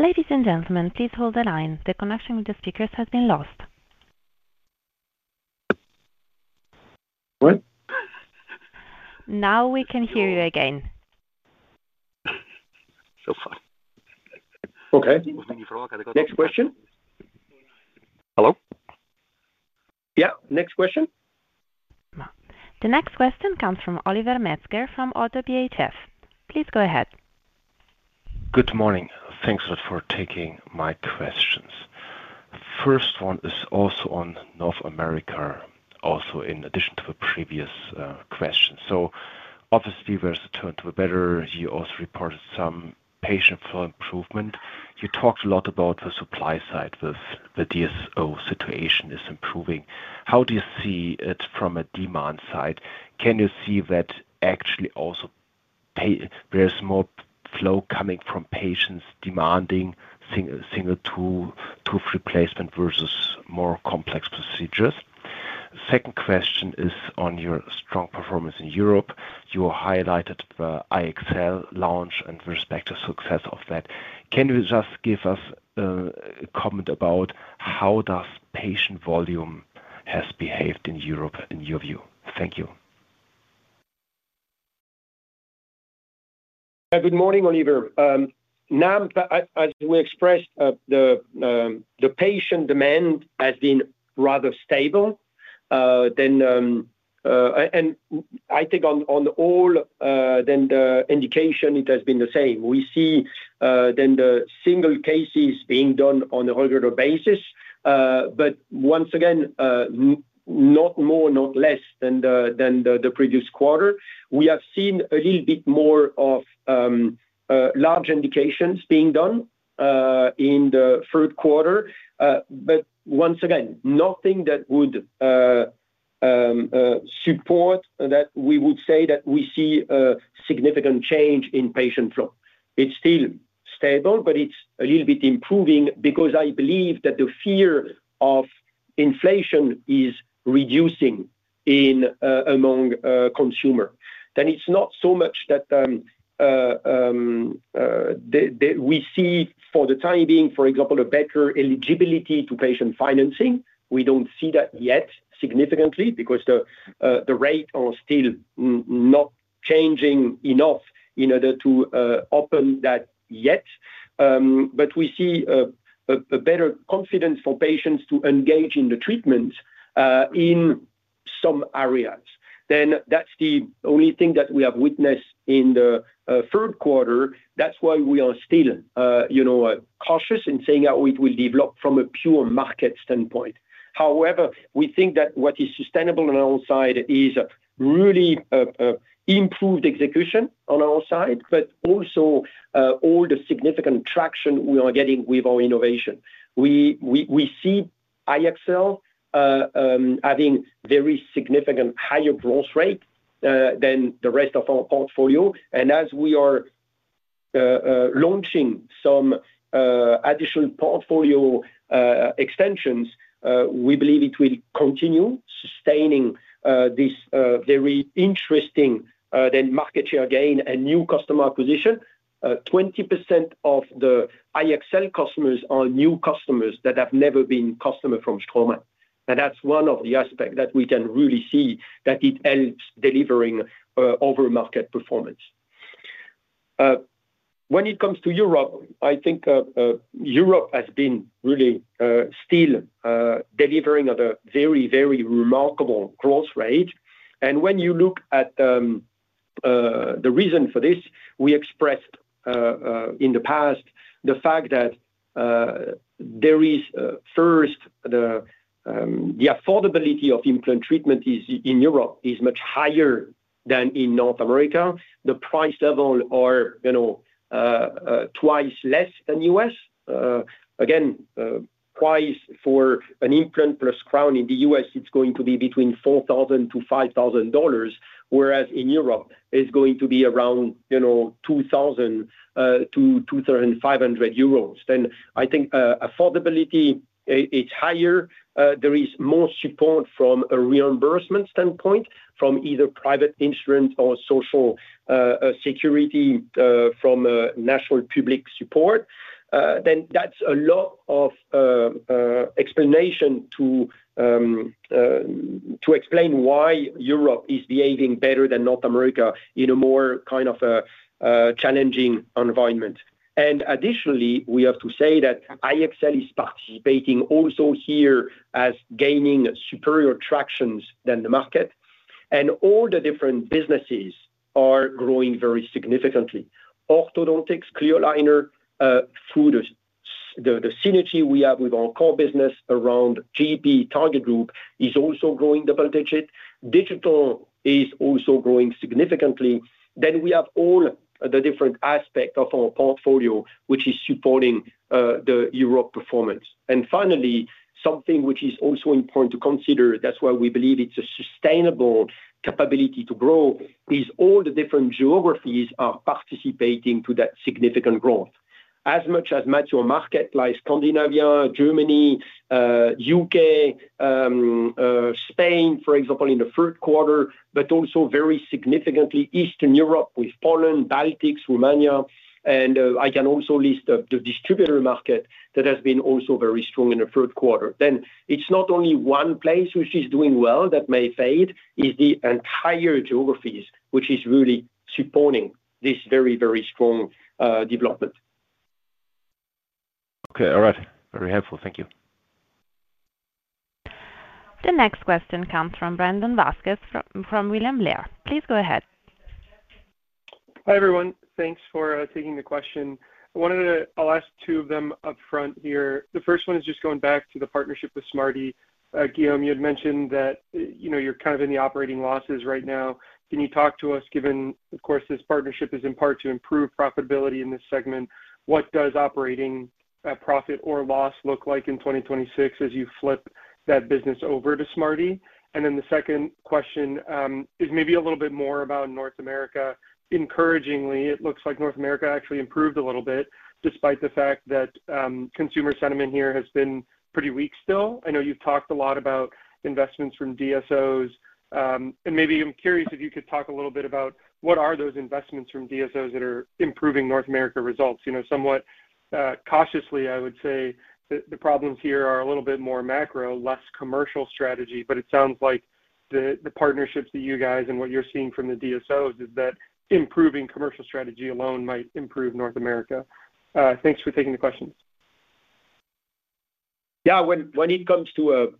[SPEAKER 3] Ladies and gentlemen, please hold the line. The connection with the speakers has been lost.
[SPEAKER 1] What?
[SPEAKER 3] Now we can hear you again.
[SPEAKER 1] Okay. Next question. Hello? Next question.
[SPEAKER 3] The next question comes from Oliver Metzger from Oddo BHF. Please go ahead.
[SPEAKER 9] Good morning. Thanks a lot for taking my questions. The first one is also on North America, also in addition to the previous question. Obviously, we're starting to a better. You also reported some patient flow improvement. You talked a lot about the supply side with the DSO situation is improving. How do you see it from a demand side? Can you see that actually also there is more flow coming from patients demanding single tooth replacement versus more complex procedures? The second question is on your strong performance in Europe. You highlighted the IXL launch and the respective success of that. Can you just give us a comment about how does patient volume have behaved in Europe in your view? Thank you.
[SPEAKER 1] Yeah. Good morning, Oliver. As we expressed, the patient demand has been rather stable. I think on all the indication, it has been the same. We see the single cases being done on a regular basis. Once again, not more, not less than the previous quarter. We have seen a little bit more of large indications being done in the third quarter. Once again, nothing that would support that we would say that we see a significant change in patient flow. It's still stable, but it's a little bit improving because I believe that the fear of inflation is reducing among consumers. It's not so much that we see, for the time being, for example, a better eligibility to patient financing. We don't see that yet significantly because the rates are still not changing enough in order to open that yet. We see a better confidence for patients to engage in the treatments in some areas. That's the only thing that we have witnessed in the third quarter. That's why we are still cautious in saying how it will develop from a pure market standpoint. However, we think that what is sustainable on our side is really improved execution on our side, but also all the significant traction we are getting with our innovation. We see IXL having a very significant higher growth rate than the rest of our portfolio. As we are launching some additional portfolio extensions, we believe it will continue sustaining this very interesting market share gain and new customer acquisition. 20% of the IXL customers are new customers that have never been customers from Straumann. That's one of the aspects that we can really see that it helps delivering over-market performance. When it comes to Europe, I think Europe has been really still delivering at a very, very remarkable growth rate. When you look at the reason for this, we expressed in the past the fact that there is first, the affordability of implant treatment in Europe is much higher than in North America. The price levels are twice less than the U.S. Again, price for an implant plus crown in the U.S., it's going to be between $4,000 to $5,000, whereas in Europe, it's going to be around 2,000 to 2,500 euros. I think affordability is higher. There is more support from a reimbursement standpoint, from either private insurance or social security, from national public support. That is a lot of explanation to explain why Europe is behaving better than North America in a more kind of a challenging environment. Additionally, we have to say that IXL is participating also here as gaining superior traction than the market, and all the different businesses are growing very significantly. Orthodontics, clear aligner, through the synergy we have with our core business around GP target group, is also growing double digit. Digital is also growing significantly. We have all the different aspects of our portfolio, which is supporting the Europe performance. Finally, something which is also important to consider, that's why we believe it's a sustainable capability to grow, is all the different geographies are participating to that significant growth. As much as major markets like Scandinavia, Germany, UK, Spain, for example, in the third quarter, but also very significantly Eastern Europe with Poland, Baltics, Romania. I can also list the distributor market that has been also very strong in the third quarter. It is not only one place which is doing well that may fade, it's the entire geographies which are really supporting this very, very strong development.
[SPEAKER 9] Okay. All right. Very helpful. Thank you.
[SPEAKER 3] The next question comes from Brandon Vazquez from William Blair. Please go ahead.
[SPEAKER 10] Hi, everyone. Thanks for taking the question. I wanted to ask two of them up front here. The first one is just going back to the partnership with Smarty. Guillaume, you had mentioned that you're kind of in the operating losses right now. Can you talk to us, given, of course, this partnership is in part to improve profitability in this segment? What does operating profit or loss look like in 2026 as you flip that business over to Smarty? The second question is maybe a little bit more about North America. Encouragingly, it looks like North America actually improved a little bit despite the fact that consumer sentiment here has been pretty weak still. I know you've talked a lot about investments from DSOs. Maybe I'm curious if you could talk a little bit about what are those investments from DSOs that are improving North America results? Somewhat cautiously, I would say the problems here are a little bit more macro, less commercial strategy. It sounds like the partnerships that you guys and what you're seeing from the DSOs is that improving commercial strategy alone might improve North America. Thanks for taking the question.
[SPEAKER 1] When it comes to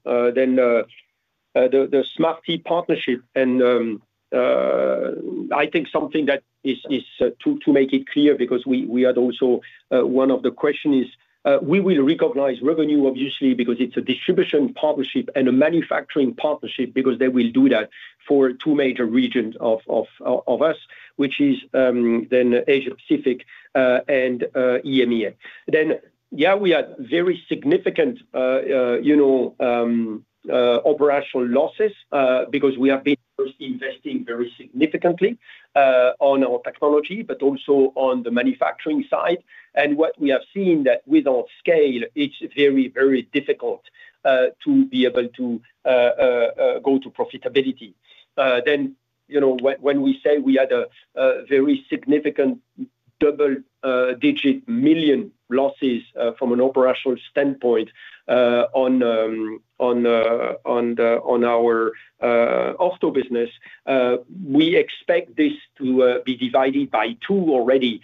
[SPEAKER 1] the Smarty partnership, and I think something that is to make it clear because we had also one of the questions, we will recognize revenue, obviously, because it's a distribution partnership and a manufacturing partnership because they will do that for two major regions of us, which is then Asia-Pacific and EMEA. We had very significant operational losses because we have been investing very significantly on our technology, but also on the manufacturing side. What we have seen is that with our scale, it's very, very difficult to be able to go to profitability. When we say we had a very significant double-digit million losses from an operational standpoint on our ortho business, we expect this to be divided by two already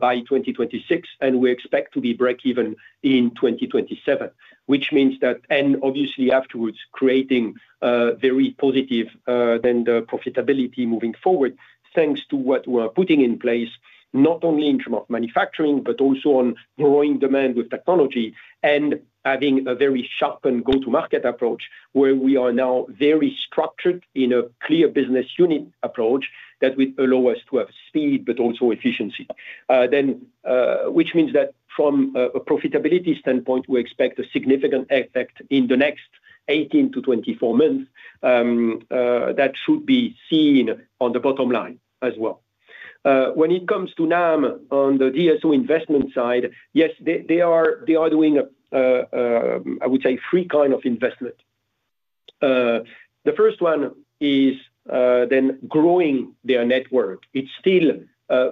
[SPEAKER 1] by 2026. We expect to be break-even in 2027, which means that, and obviously afterwards, creating very positive profitability moving forward thanks to what we are putting in place, not only in terms of manufacturing, but also on growing demand with technology and having a very sharpened go-to-market approach where we are now very structured in a clear business unit approach that would allow us to have speed but also efficiency. From a profitability standpoint, we expect a significant effect in the next 18 to 24 months. That should be seen on the bottom line as well. When it comes to NAM on the DSO investment side, yes, they are doing, I would say, three kinds of investments. The first one is growing their network. It's still,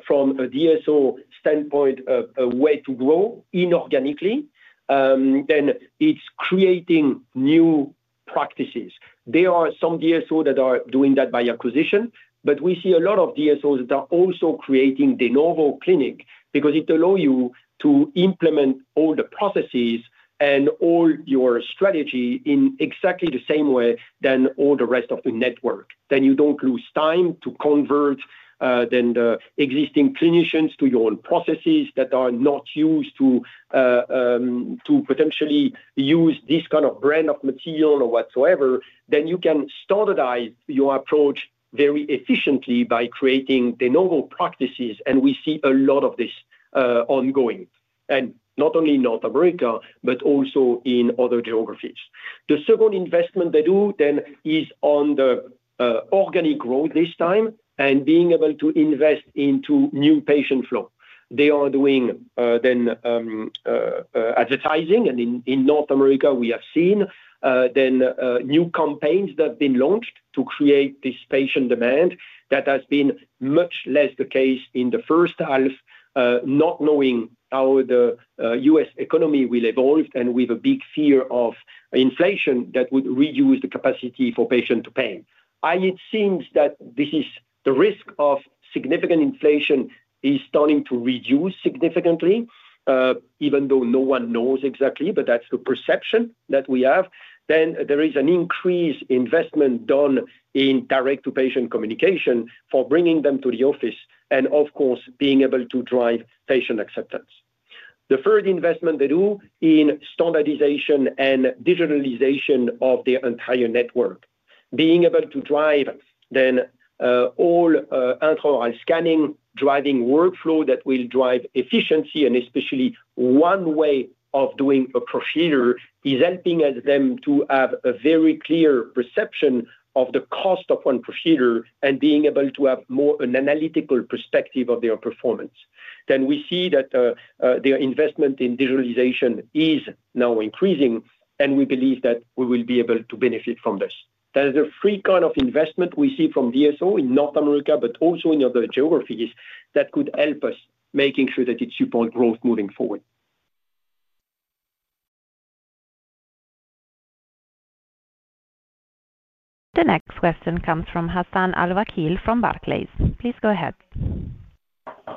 [SPEAKER 1] from a DSO standpoint, a way to grow inorganically. It's creating new practices. There are some DSOs that are doing that by acquisition, but we see a lot of DSOs that are also creating de novo clinic because it allows you to implement all the processes and all your strategy in exactly the same way than all the rest of the network. You don't lose time to convert the existing clinicians to your own processes that are not used to potentially use this kind of brand of material or whatsoever. You can standardize your approach very efficiently by creating de novo practices. We see a lot of this ongoing, and not only in North America, but also in other geographies. The second investment they do is on the organic growth this time and being able to invest into new patient flow. They are doing advertising. In North America, we have seen new campaigns that have been launched to create this patient demand that has been much less the case in the first half, not knowing how the U.S. economy will evolve and with a big fear of inflation. That would reduce the capacity for patient to pay. I mean, it seems that the risk of significant inflation is starting to reduce significantly, even though no one knows exactly, but that's the perception that we have. There is an increase in investment done in direct-to-patient communication for bringing them to the office and, of course, being able to drive patient acceptance. The third investment they do is in standardization and digitalization of the entire network, being able to drive all intraoral scanning, driving workflow that will drive efficiency and especially one way of doing a procedure is helping them to have a very clear perception of the cost of one procedure and being able to have more of an analytical perspective of their performance. We see that the investment in digitalization is now increasing and we believe that we will be able to benefit from this. That is the three kinds of investment we see from DSO in North America, but also in other geographies that could help us making sure that it supports growth moving forward.
[SPEAKER 3] The next question comes from Hassan Al-Wakeel from Barclays. Please go ahead.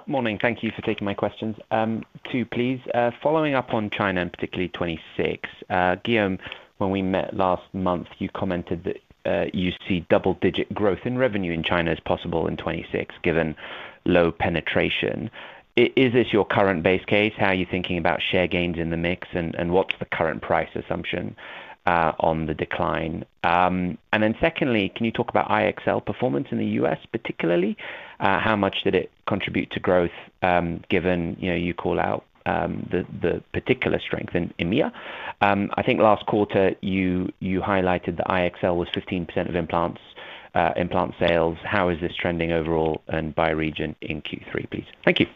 [SPEAKER 11] Morning. Thank you for taking my questions. Two, please. Following up on China and particularly 2026, Guillaume, when we met last month, you commented that you see double-digit growth in revenue in China as possible in 2026, given low penetration. Is this your current base case? How are you thinking about share gains in the mix and what's the current price assumption on the decline? Secondly, can you talk about IXL performance in the U.S. particularly? How much did it contribute to growth given you call out the particular strength in EMEA? I think last quarter you highlighted the IXL was 15% of implant sales. How is this trending overall and by region in Q3, please? Thank you.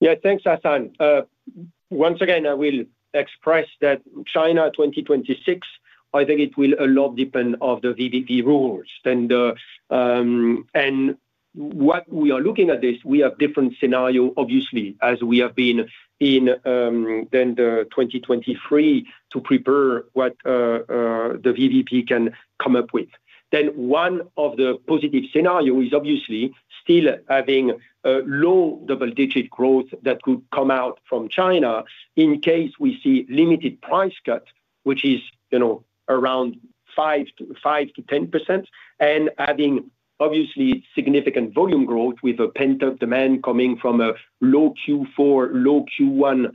[SPEAKER 1] Yeah, thanks, Hassan. Once again, I will express that China 2026, I think it will a lot depend on the VBP rules and what we are looking at this. We have different scenarios, obviously, as we have been in then the 2023 to prepare what the VBP can come up with. One of the positive scenarios is obviously still having low double-digit growth that could come out from China in case we see limited price cut, which is around 5% to 10%, and having obviously significant volume growth with a pent-up demand coming from a low Q4, low Q1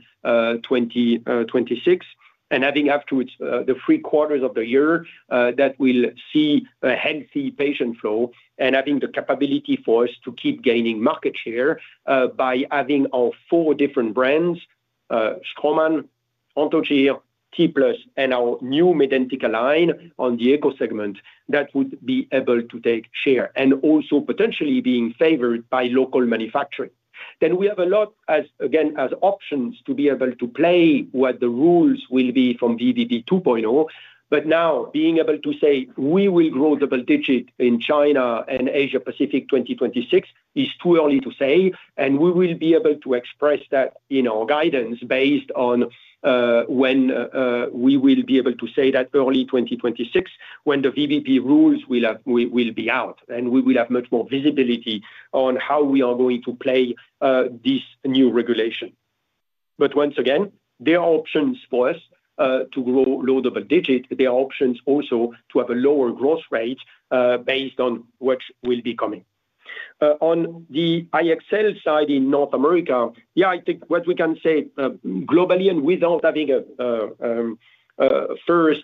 [SPEAKER 1] 2026, and having afterwards the three quarters of the year that we'll see a healthy patient flow and having the capability for us to keep gaining market share by having our four different brands: Straumann, Anthogyr, T-Plus, and our new Medentika line on the eco-segment that would be able to take share and also potentially being favored by local manufacturing. We have a lot, again, as options to be able to play what the rules will be from VBP 2.0, but now being able to say we will grow double-digit in China and Asia-Pacific 2026 is too early to say and we will be able to express that in our guidance based on when we will be able to say that early 2026 when the VBP rules will be out and we will have much more visibility on how we are going to play this new regulation. Once again, there are options for us to grow low double-digit. There are options also to have a lower growth rate based on what will be coming. On the IXL side in North America, yeah, I think what we can say globally and without having a first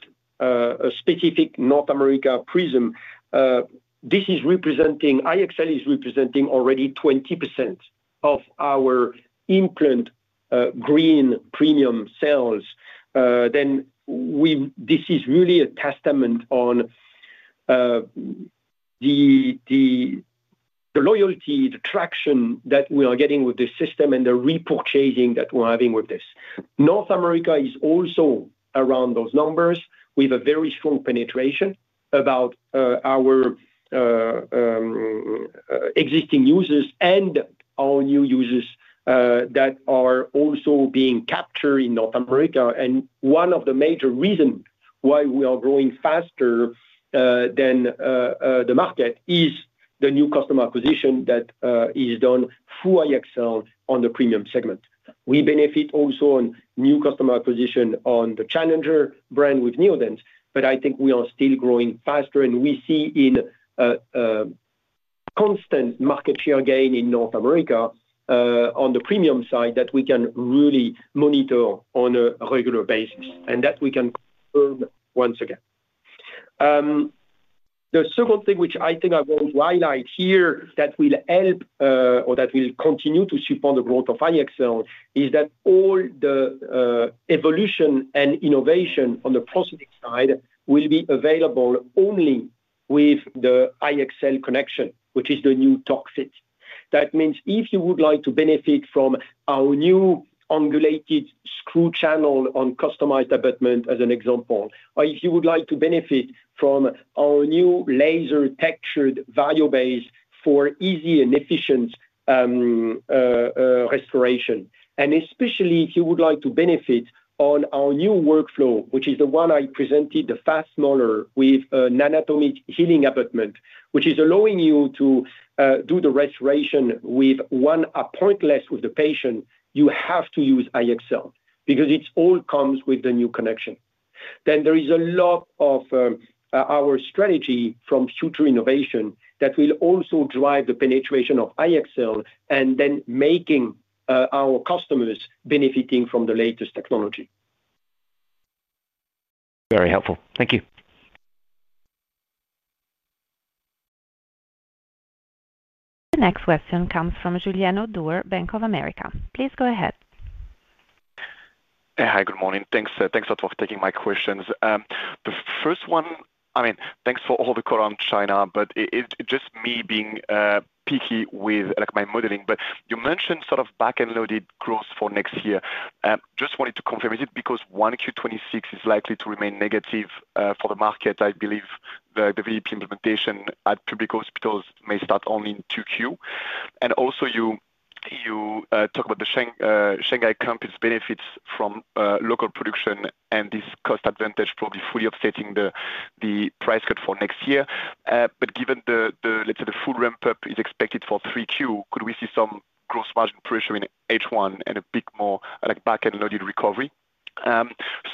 [SPEAKER 1] specific North America prism, this is representing IXL is representing already 20% of our implant green premium sales. This is really a testament on the loyalty, the traction that we are getting with this system and the repurchasing that we're having with this. North America is also around those numbers. We have a very strong penetration about our existing users and our new users that are also being captured in North America. One of the major reasons why we are growing faster than the market is the new customer acquisition that is done through IXL on the premium segment. We benefit also on new customer acquisition on the Challenger brand with Neodent, but I think we are still growing faster and we see in constant market share gain in North America on the premium side that we can really monitor on a regular basis and that we can confirm once again. The second thing which I think I want to highlight here that will help or that will continue to support the growth of IXL is that all the evolution and innovation on the prosthetic side will be available only with the IXL connection, which is the new TorqueFit. That means if you would like to benefit from our new angulated screw channel on customized abutment as an example, or if you would like to benefit from our new laser textured value base for easy and efficient restoration, and especially if you would like to benefit on our new workflow, which is the one I presented, the Fast Molar with an anatomic healing abutment, which is allowing you to do the restoration with one appointment less with the patient, you have to use IXL because it all comes with the new connection. There is a lot of our strategy from future innovation that will also drive the penetration of IXL and making our customers benefiting from the latest technology.
[SPEAKER 11] Very helpful. Thank you.
[SPEAKER 2] The next question comes from Juliano Duerr, Bank of America. Please go ahead.
[SPEAKER 12] Hi, good morning. Thanks a lot for taking my questions. The first one, thanks for all the call on China, but it's just me being picky with my modeling. You mentioned sort of back-end loaded growth for next year. Just wanted to confirm, is it because Q1 2026 is likely to remain negative for the market? I believe the VBP 2.0 implementation at public hospitals may start only in Q2. Also, you talk about the Shanghai campus benefits from local production and this cost advantage probably fully offsetting the price cut for next year. Given the full ramp-up is expected for Q3, could we see some gross margin pressure in H1 and a bit more back-end loaded recovery?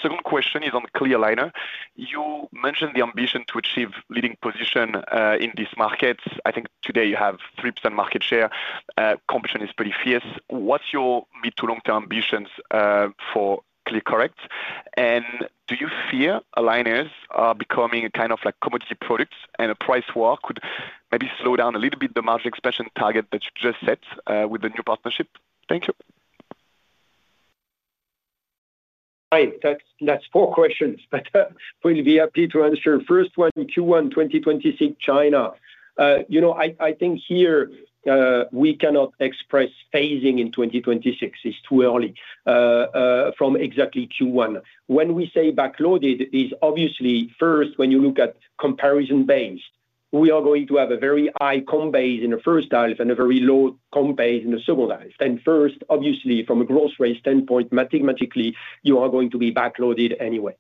[SPEAKER 12] Second question is on clear aligner You mentioned the ambition to achieve leading position in these markets. I think today you have 3% market share. Competition is pretty fierce. What's your mid to long-term ambitions for ClearCorrect? Do you fear aligners are becoming kind of like commodity products and a price war could maybe slow down a little bit the margin expansion target that you just set with the new partnership? Thank you.
[SPEAKER 1] Right. That's four questions, but for the VIP to answer, first one, Q1 2026 China. I think here we cannot express phasing in 2026. It's too early from exactly Q1. When we say back-loaded, it's obviously first when you look at comparison base. We are going to have a very high comp base in the first half and a very low comp base in the second half. First, obviously, from a growth rate standpoint, mathematically, you are going to be back-loaded anyway.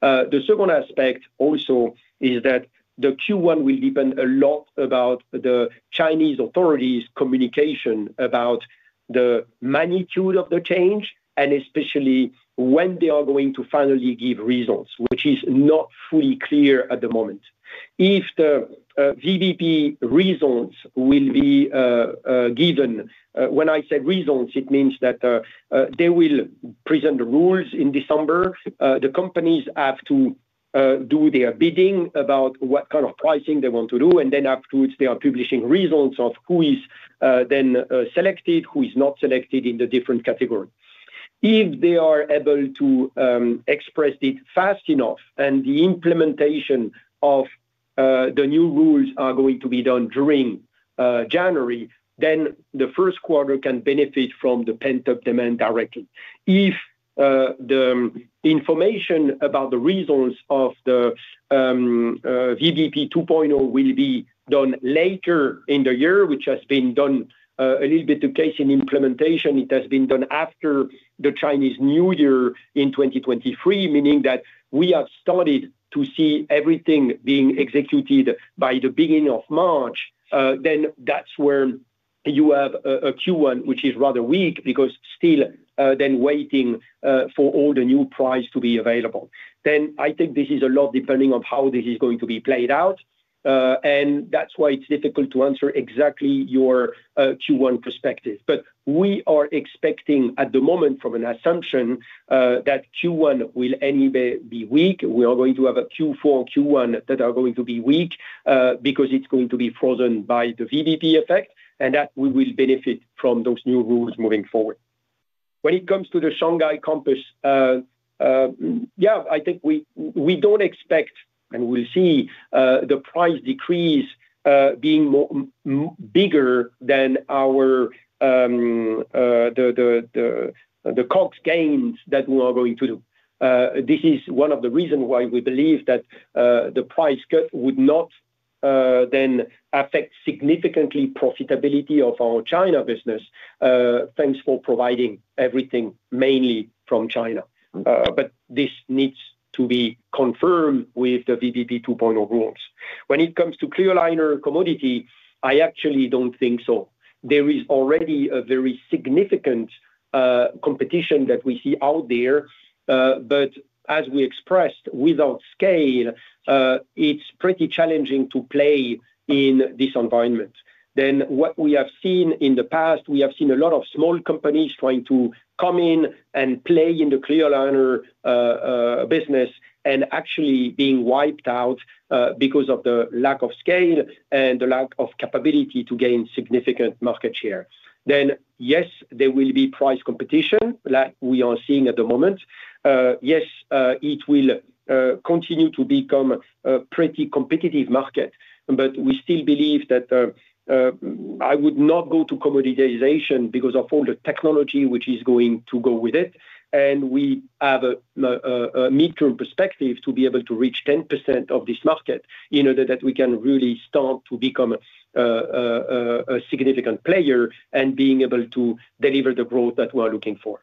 [SPEAKER 1] The second aspect also is that the Q1 will depend a lot about the Chinese authorities' communication about the magnitude of the change and especially when they are going to finally give results, which is not fully clear at the moment. If the VBP results will be given, when I said results, it means that they will present the rules in December. The companies have to do their bidding about what kind of pricing they want to do, and then afterwards, they are publishing results of who is then selected, who is not selected in the different category. If they are able to express it fast enough and the implementation of the new rules are going to be done during January, then the first quarter can benefit from the pent-up demand directly. If the information about the results of the VBP 2.0 will be done later in the year, which has been done a little bit the case in implementation, it has been done after the Chinese New Year in 2023, meaning that we have started to see everything being executed by the beginning of March. That's where you have a Q1, which is rather weak because still then waiting for all the new price to be available. I think this is a lot depending on how this is going to be played out. That's why it's difficult to answer exactly your Q1 perspective. We are expecting at the moment from an assumption that Q1 will anyway be weak. We are going to have a Q4 and Q1 that are going to be weak because it's going to be frozen by the VBP effect and that we will benefit from those new rules moving forward. When it comes to the Shanghai campus, I think we don't expect and we'll see the price decrease being bigger than the COGS gains that we are going to do. This is one of the reasons why we believe that the price cut would not then affect significantly profitability of our China business. Thanks for providing everything mainly from China. This needs to be confirmed with the VBP 2.0 rules. When it comes to clear aligner commodity, I actually don't think so. There is already a very significant competition that we see out there. As we expressed, without scale, it's pretty challenging to play in this environment. What we have seen in the past, we have seen a lot of small companies trying to come in and play in the clear aligner business and actually being wiped out because of the lack of scale and the lack of capability to gain significant market share. Yes, there will be price competition like we are seeing at the moment. Yes, it will continue to become a pretty competitive market. We still believe that I would not go to commoditization because of all the technology which is going to go with it. We have a mid-term perspective to be able to reach 10% of this market in order that we can really start to become a significant player and be able to deliver the growth that we are looking for.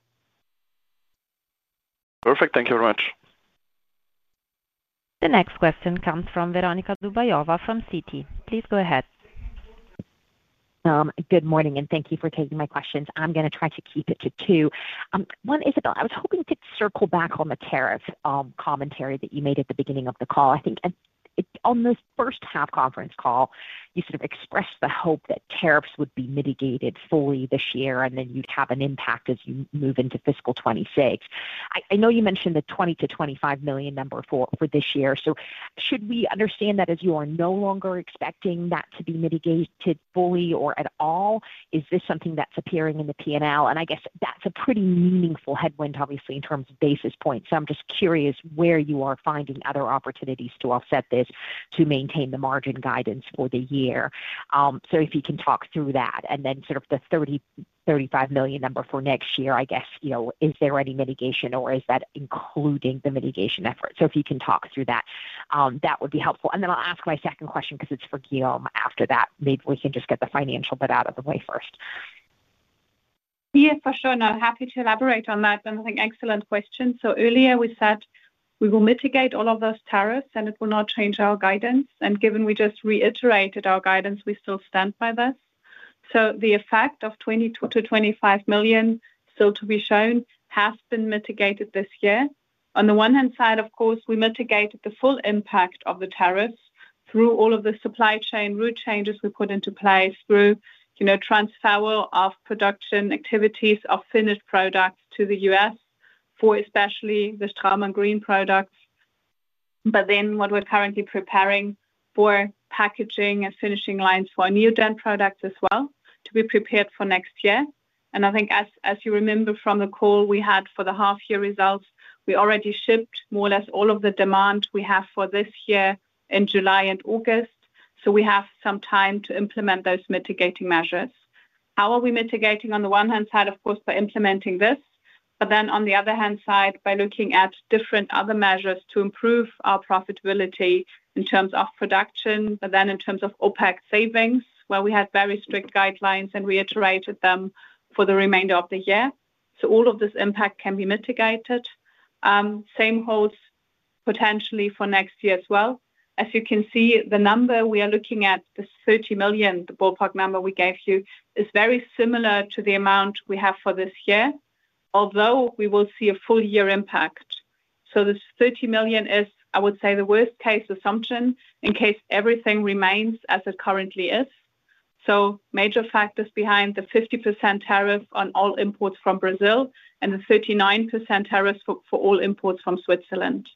[SPEAKER 12] Perfect. Thank you very much.
[SPEAKER 3] The next question comes from Veronika Dubajova from Citi. Please go ahead.
[SPEAKER 13] Good morning and thank you for taking my questions. I'm going to try to keep it to two. One, Isabelle, I was hoping to circle back on the tariff commentary that you made at the beginning of the call. I think on this first half conference call, you sort of expressed the hope that tariffs would be mitigated fully this year and then you'd have an impact as you move into fiscal 2026. I know you mentioned the $20 to $25 million number for this year. Should we understand that as you are no longer expecting that to be mitigated fully or at all? Is this something that's appearing in the P&L? I guess that's a pretty meaningful headwind, obviously, in terms of basis points. I'm just curious where you are finding other opportunities to offset this to maintain the margin guidance for the year. If you can talk through that and then the $30, $35 million number for next year, is there any mitigation or is that including the mitigation effort? If you can talk through that, that would be helpful. I'll ask my second question because it's for Guillaume after that. Maybe we can just get the financial bit out of the way first.
[SPEAKER 2] Yeah, for sure. I'm happy to elaborate on that. I think excellent question. Earlier we said we will mitigate all of those tariffs and it will not change our guidance. Given we just reiterated our guidance, we still stand by this. The effect of $22 million to $25 million still to be shown has been mitigated this year. On the one hand, of course, we mitigated the full impact of the tariffs through all of the supply chain rule changes we put into place through transfer of production activities of finished products to the U.S. for especially the Straumann green products. What we're currently preparing for are packaging and finishing lines for Neodent products as well to be prepared for next year. As you remember from the call we had for the half-year results, we already shipped more or less all of the demand we have for this year in July and August. We have some time to implement those mitigating measures. How are we mitigating? On the one hand, of course, by implementing this, but then on the other hand by looking at different other measures to improve our profitability in terms of production, but then in terms of OpEx savings where we had very strict guidelines and reiterated them for the remainder of the year. All of this impact can be mitigated. Same holds potentially for next year as well. As you can see, the number we are looking at, this $30 million, the ballpark number we gave you, is very similar to the amount we have for this year, although we will see a full-year impact. This $30 million is, I would say, the worst-case assumption in case everything remains as it currently is. Major factors behind the 50% tariff on all imports from Brazil and the 39% tariff for all imports from Switzerland.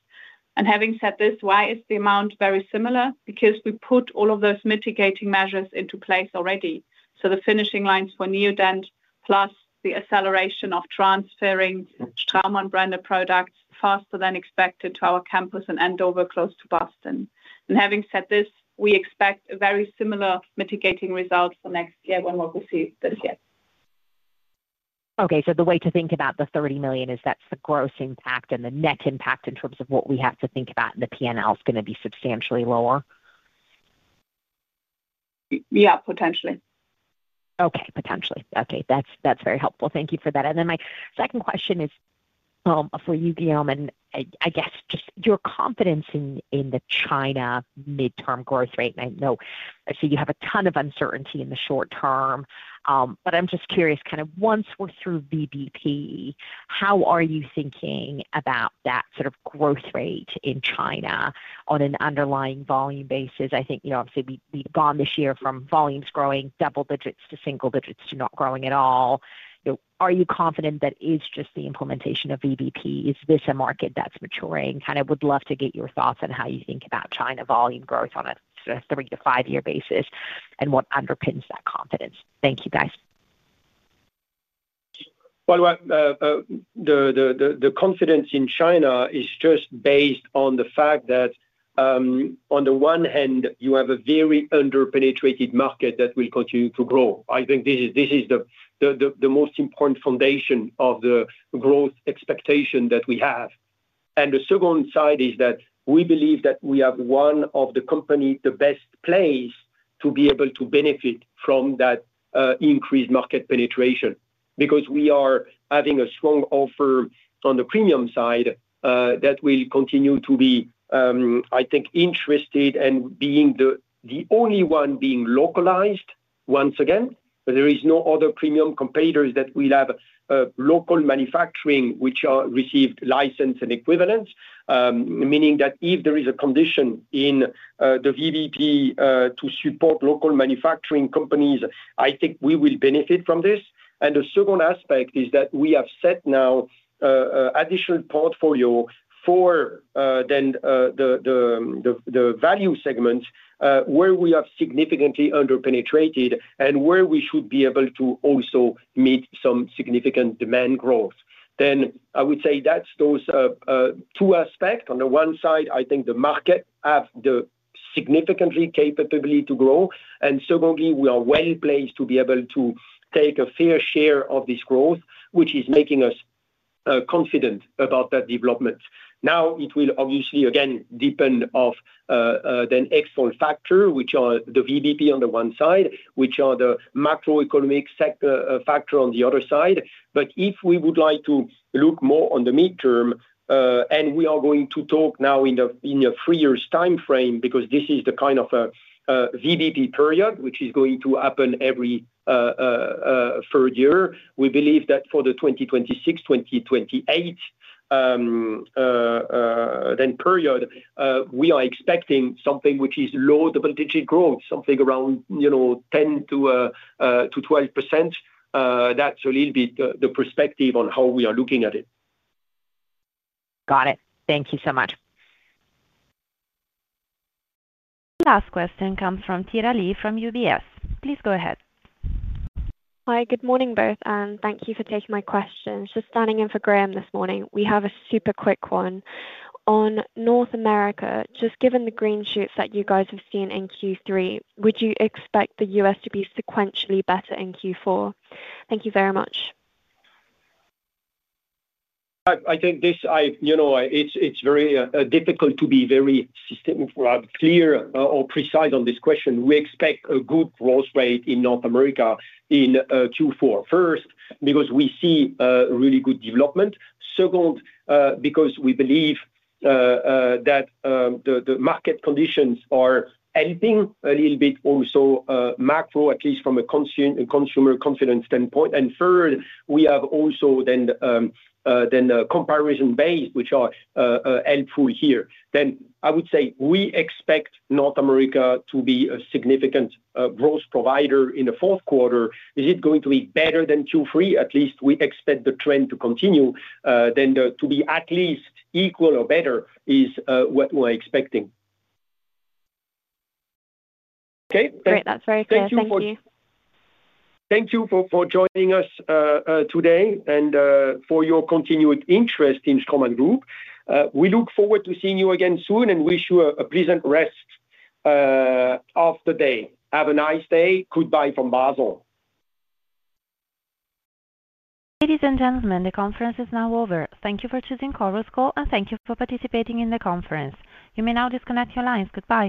[SPEAKER 2] Having said this, why is the amount very similar? Because we put all of those mitigating measures into place already. The finishing lines for Neodent plus the acceleration of transferring Straumann-branded products faster than expected to our campus in Andover close to Boston. Having said this, we expect a very similar mitigating result for next year when we'll receive this year.
[SPEAKER 13] Okay. The way to think about the $30 million is that's the gross impact, and the net impact in terms of what we have to think about in the P&L is going to be substantially lower.
[SPEAKER 2] Yeah, potentially.
[SPEAKER 14] Okay, that's very helpful. Thank you for that. My second question is for you, Guillaume, and I guess just your confidence in the China mid-term growth rate. I know you have a ton of uncertainty in the short term, but I'm just curious, once we're through VBP, how are you thinking about that sort of growth rate in China on an underlying volume basis? I think, obviously, we've gone this year from volumes growing double digits to single digits to not growing at all. Are you confident that is just the implementation of VBP? Is this a market that's maturing? I would love to get your thoughts on how you think about China volume growth on a three to five-year basis and what underpins that confidence. Thank you, guys.
[SPEAKER 1] The confidence in China is just based on the fact that on the one hand, you have a very underpenetrated market that will continue to grow. I think this is the most important foundation of the growth expectation that we have. The second side is that we believe that we have one of the companies best placed to be able to benefit from that increased market penetration because we are having a strong offer on the premium side that will continue to be, I think, interested in being the only one being localized once again. There are no other premium competitors that will have local manufacturing which received license and equivalents, meaning that if there is a condition in the VBP to support local manufacturing companies, I think we will benefit from this. The second aspect is that we have set now an additional portfolio for the value segments where we have significantly underpenetrated and where we should be able to also meet some significant demand growth. I would say that's those two aspects. On the one side, I think the market has the significant capability to grow. Secondly, we are well placed to be able to take a fair share of this growth, which is making us confident about that development. It will obviously again depend on the external factor, which are the VBP on the one side, which are the macroeconomic factor on the other side. If we would like to look more on the mid-term, and we are going to talk now in a three-year timeframe because this is the kind of a VBP period, which is going to happen every third year, we believe that for the 2026-2028 period, we are expecting something which is low double-digit growth, something around 10 to 12%. That's a little bit the perspective on how we are looking at it.
[SPEAKER 13] Got it. Thank you so much.
[SPEAKER 3] Last question comes from Thyra Lee from UBS. Please go ahead.
[SPEAKER 15] Hi, good morning both, and thank you for taking my question. Just turning in for Graham this morning. We have a super quick one. On North America, just given the green shoots that you guys have seen in Q3, would you expect the U.S. to be sequentially better in Q4? Thank you very much.
[SPEAKER 1] I think it's very difficult to be very clear or precise on this question. We expect a good growth rate in North America in Q4, first because we see really good development. Second, because we believe that the market conditions are helping a little bit, also macro, at least from a consumer confidence standpoint. Third, we have also comparison base, which are helpful here. I would say we expect North America to be a significant growth provider in the fourth quarter. Is it going to be better than Q3? At least we expect the trend to continue, to be at least equal or better is what we're expecting.
[SPEAKER 15] Great. That's very clear. Thank you.
[SPEAKER 1] Thank you for joining us today and for your continued interest in Straumann Group. We look forward to seeing you again soon and wish you a pleasant rest of the day. Have a nice day. Goodbye from Basel.
[SPEAKER 3] Ladies and gentlemen, the conference is now over. Thank you for choosing Straumann and thank you for participating in the conference. You may now disconnect your lines. Goodbye.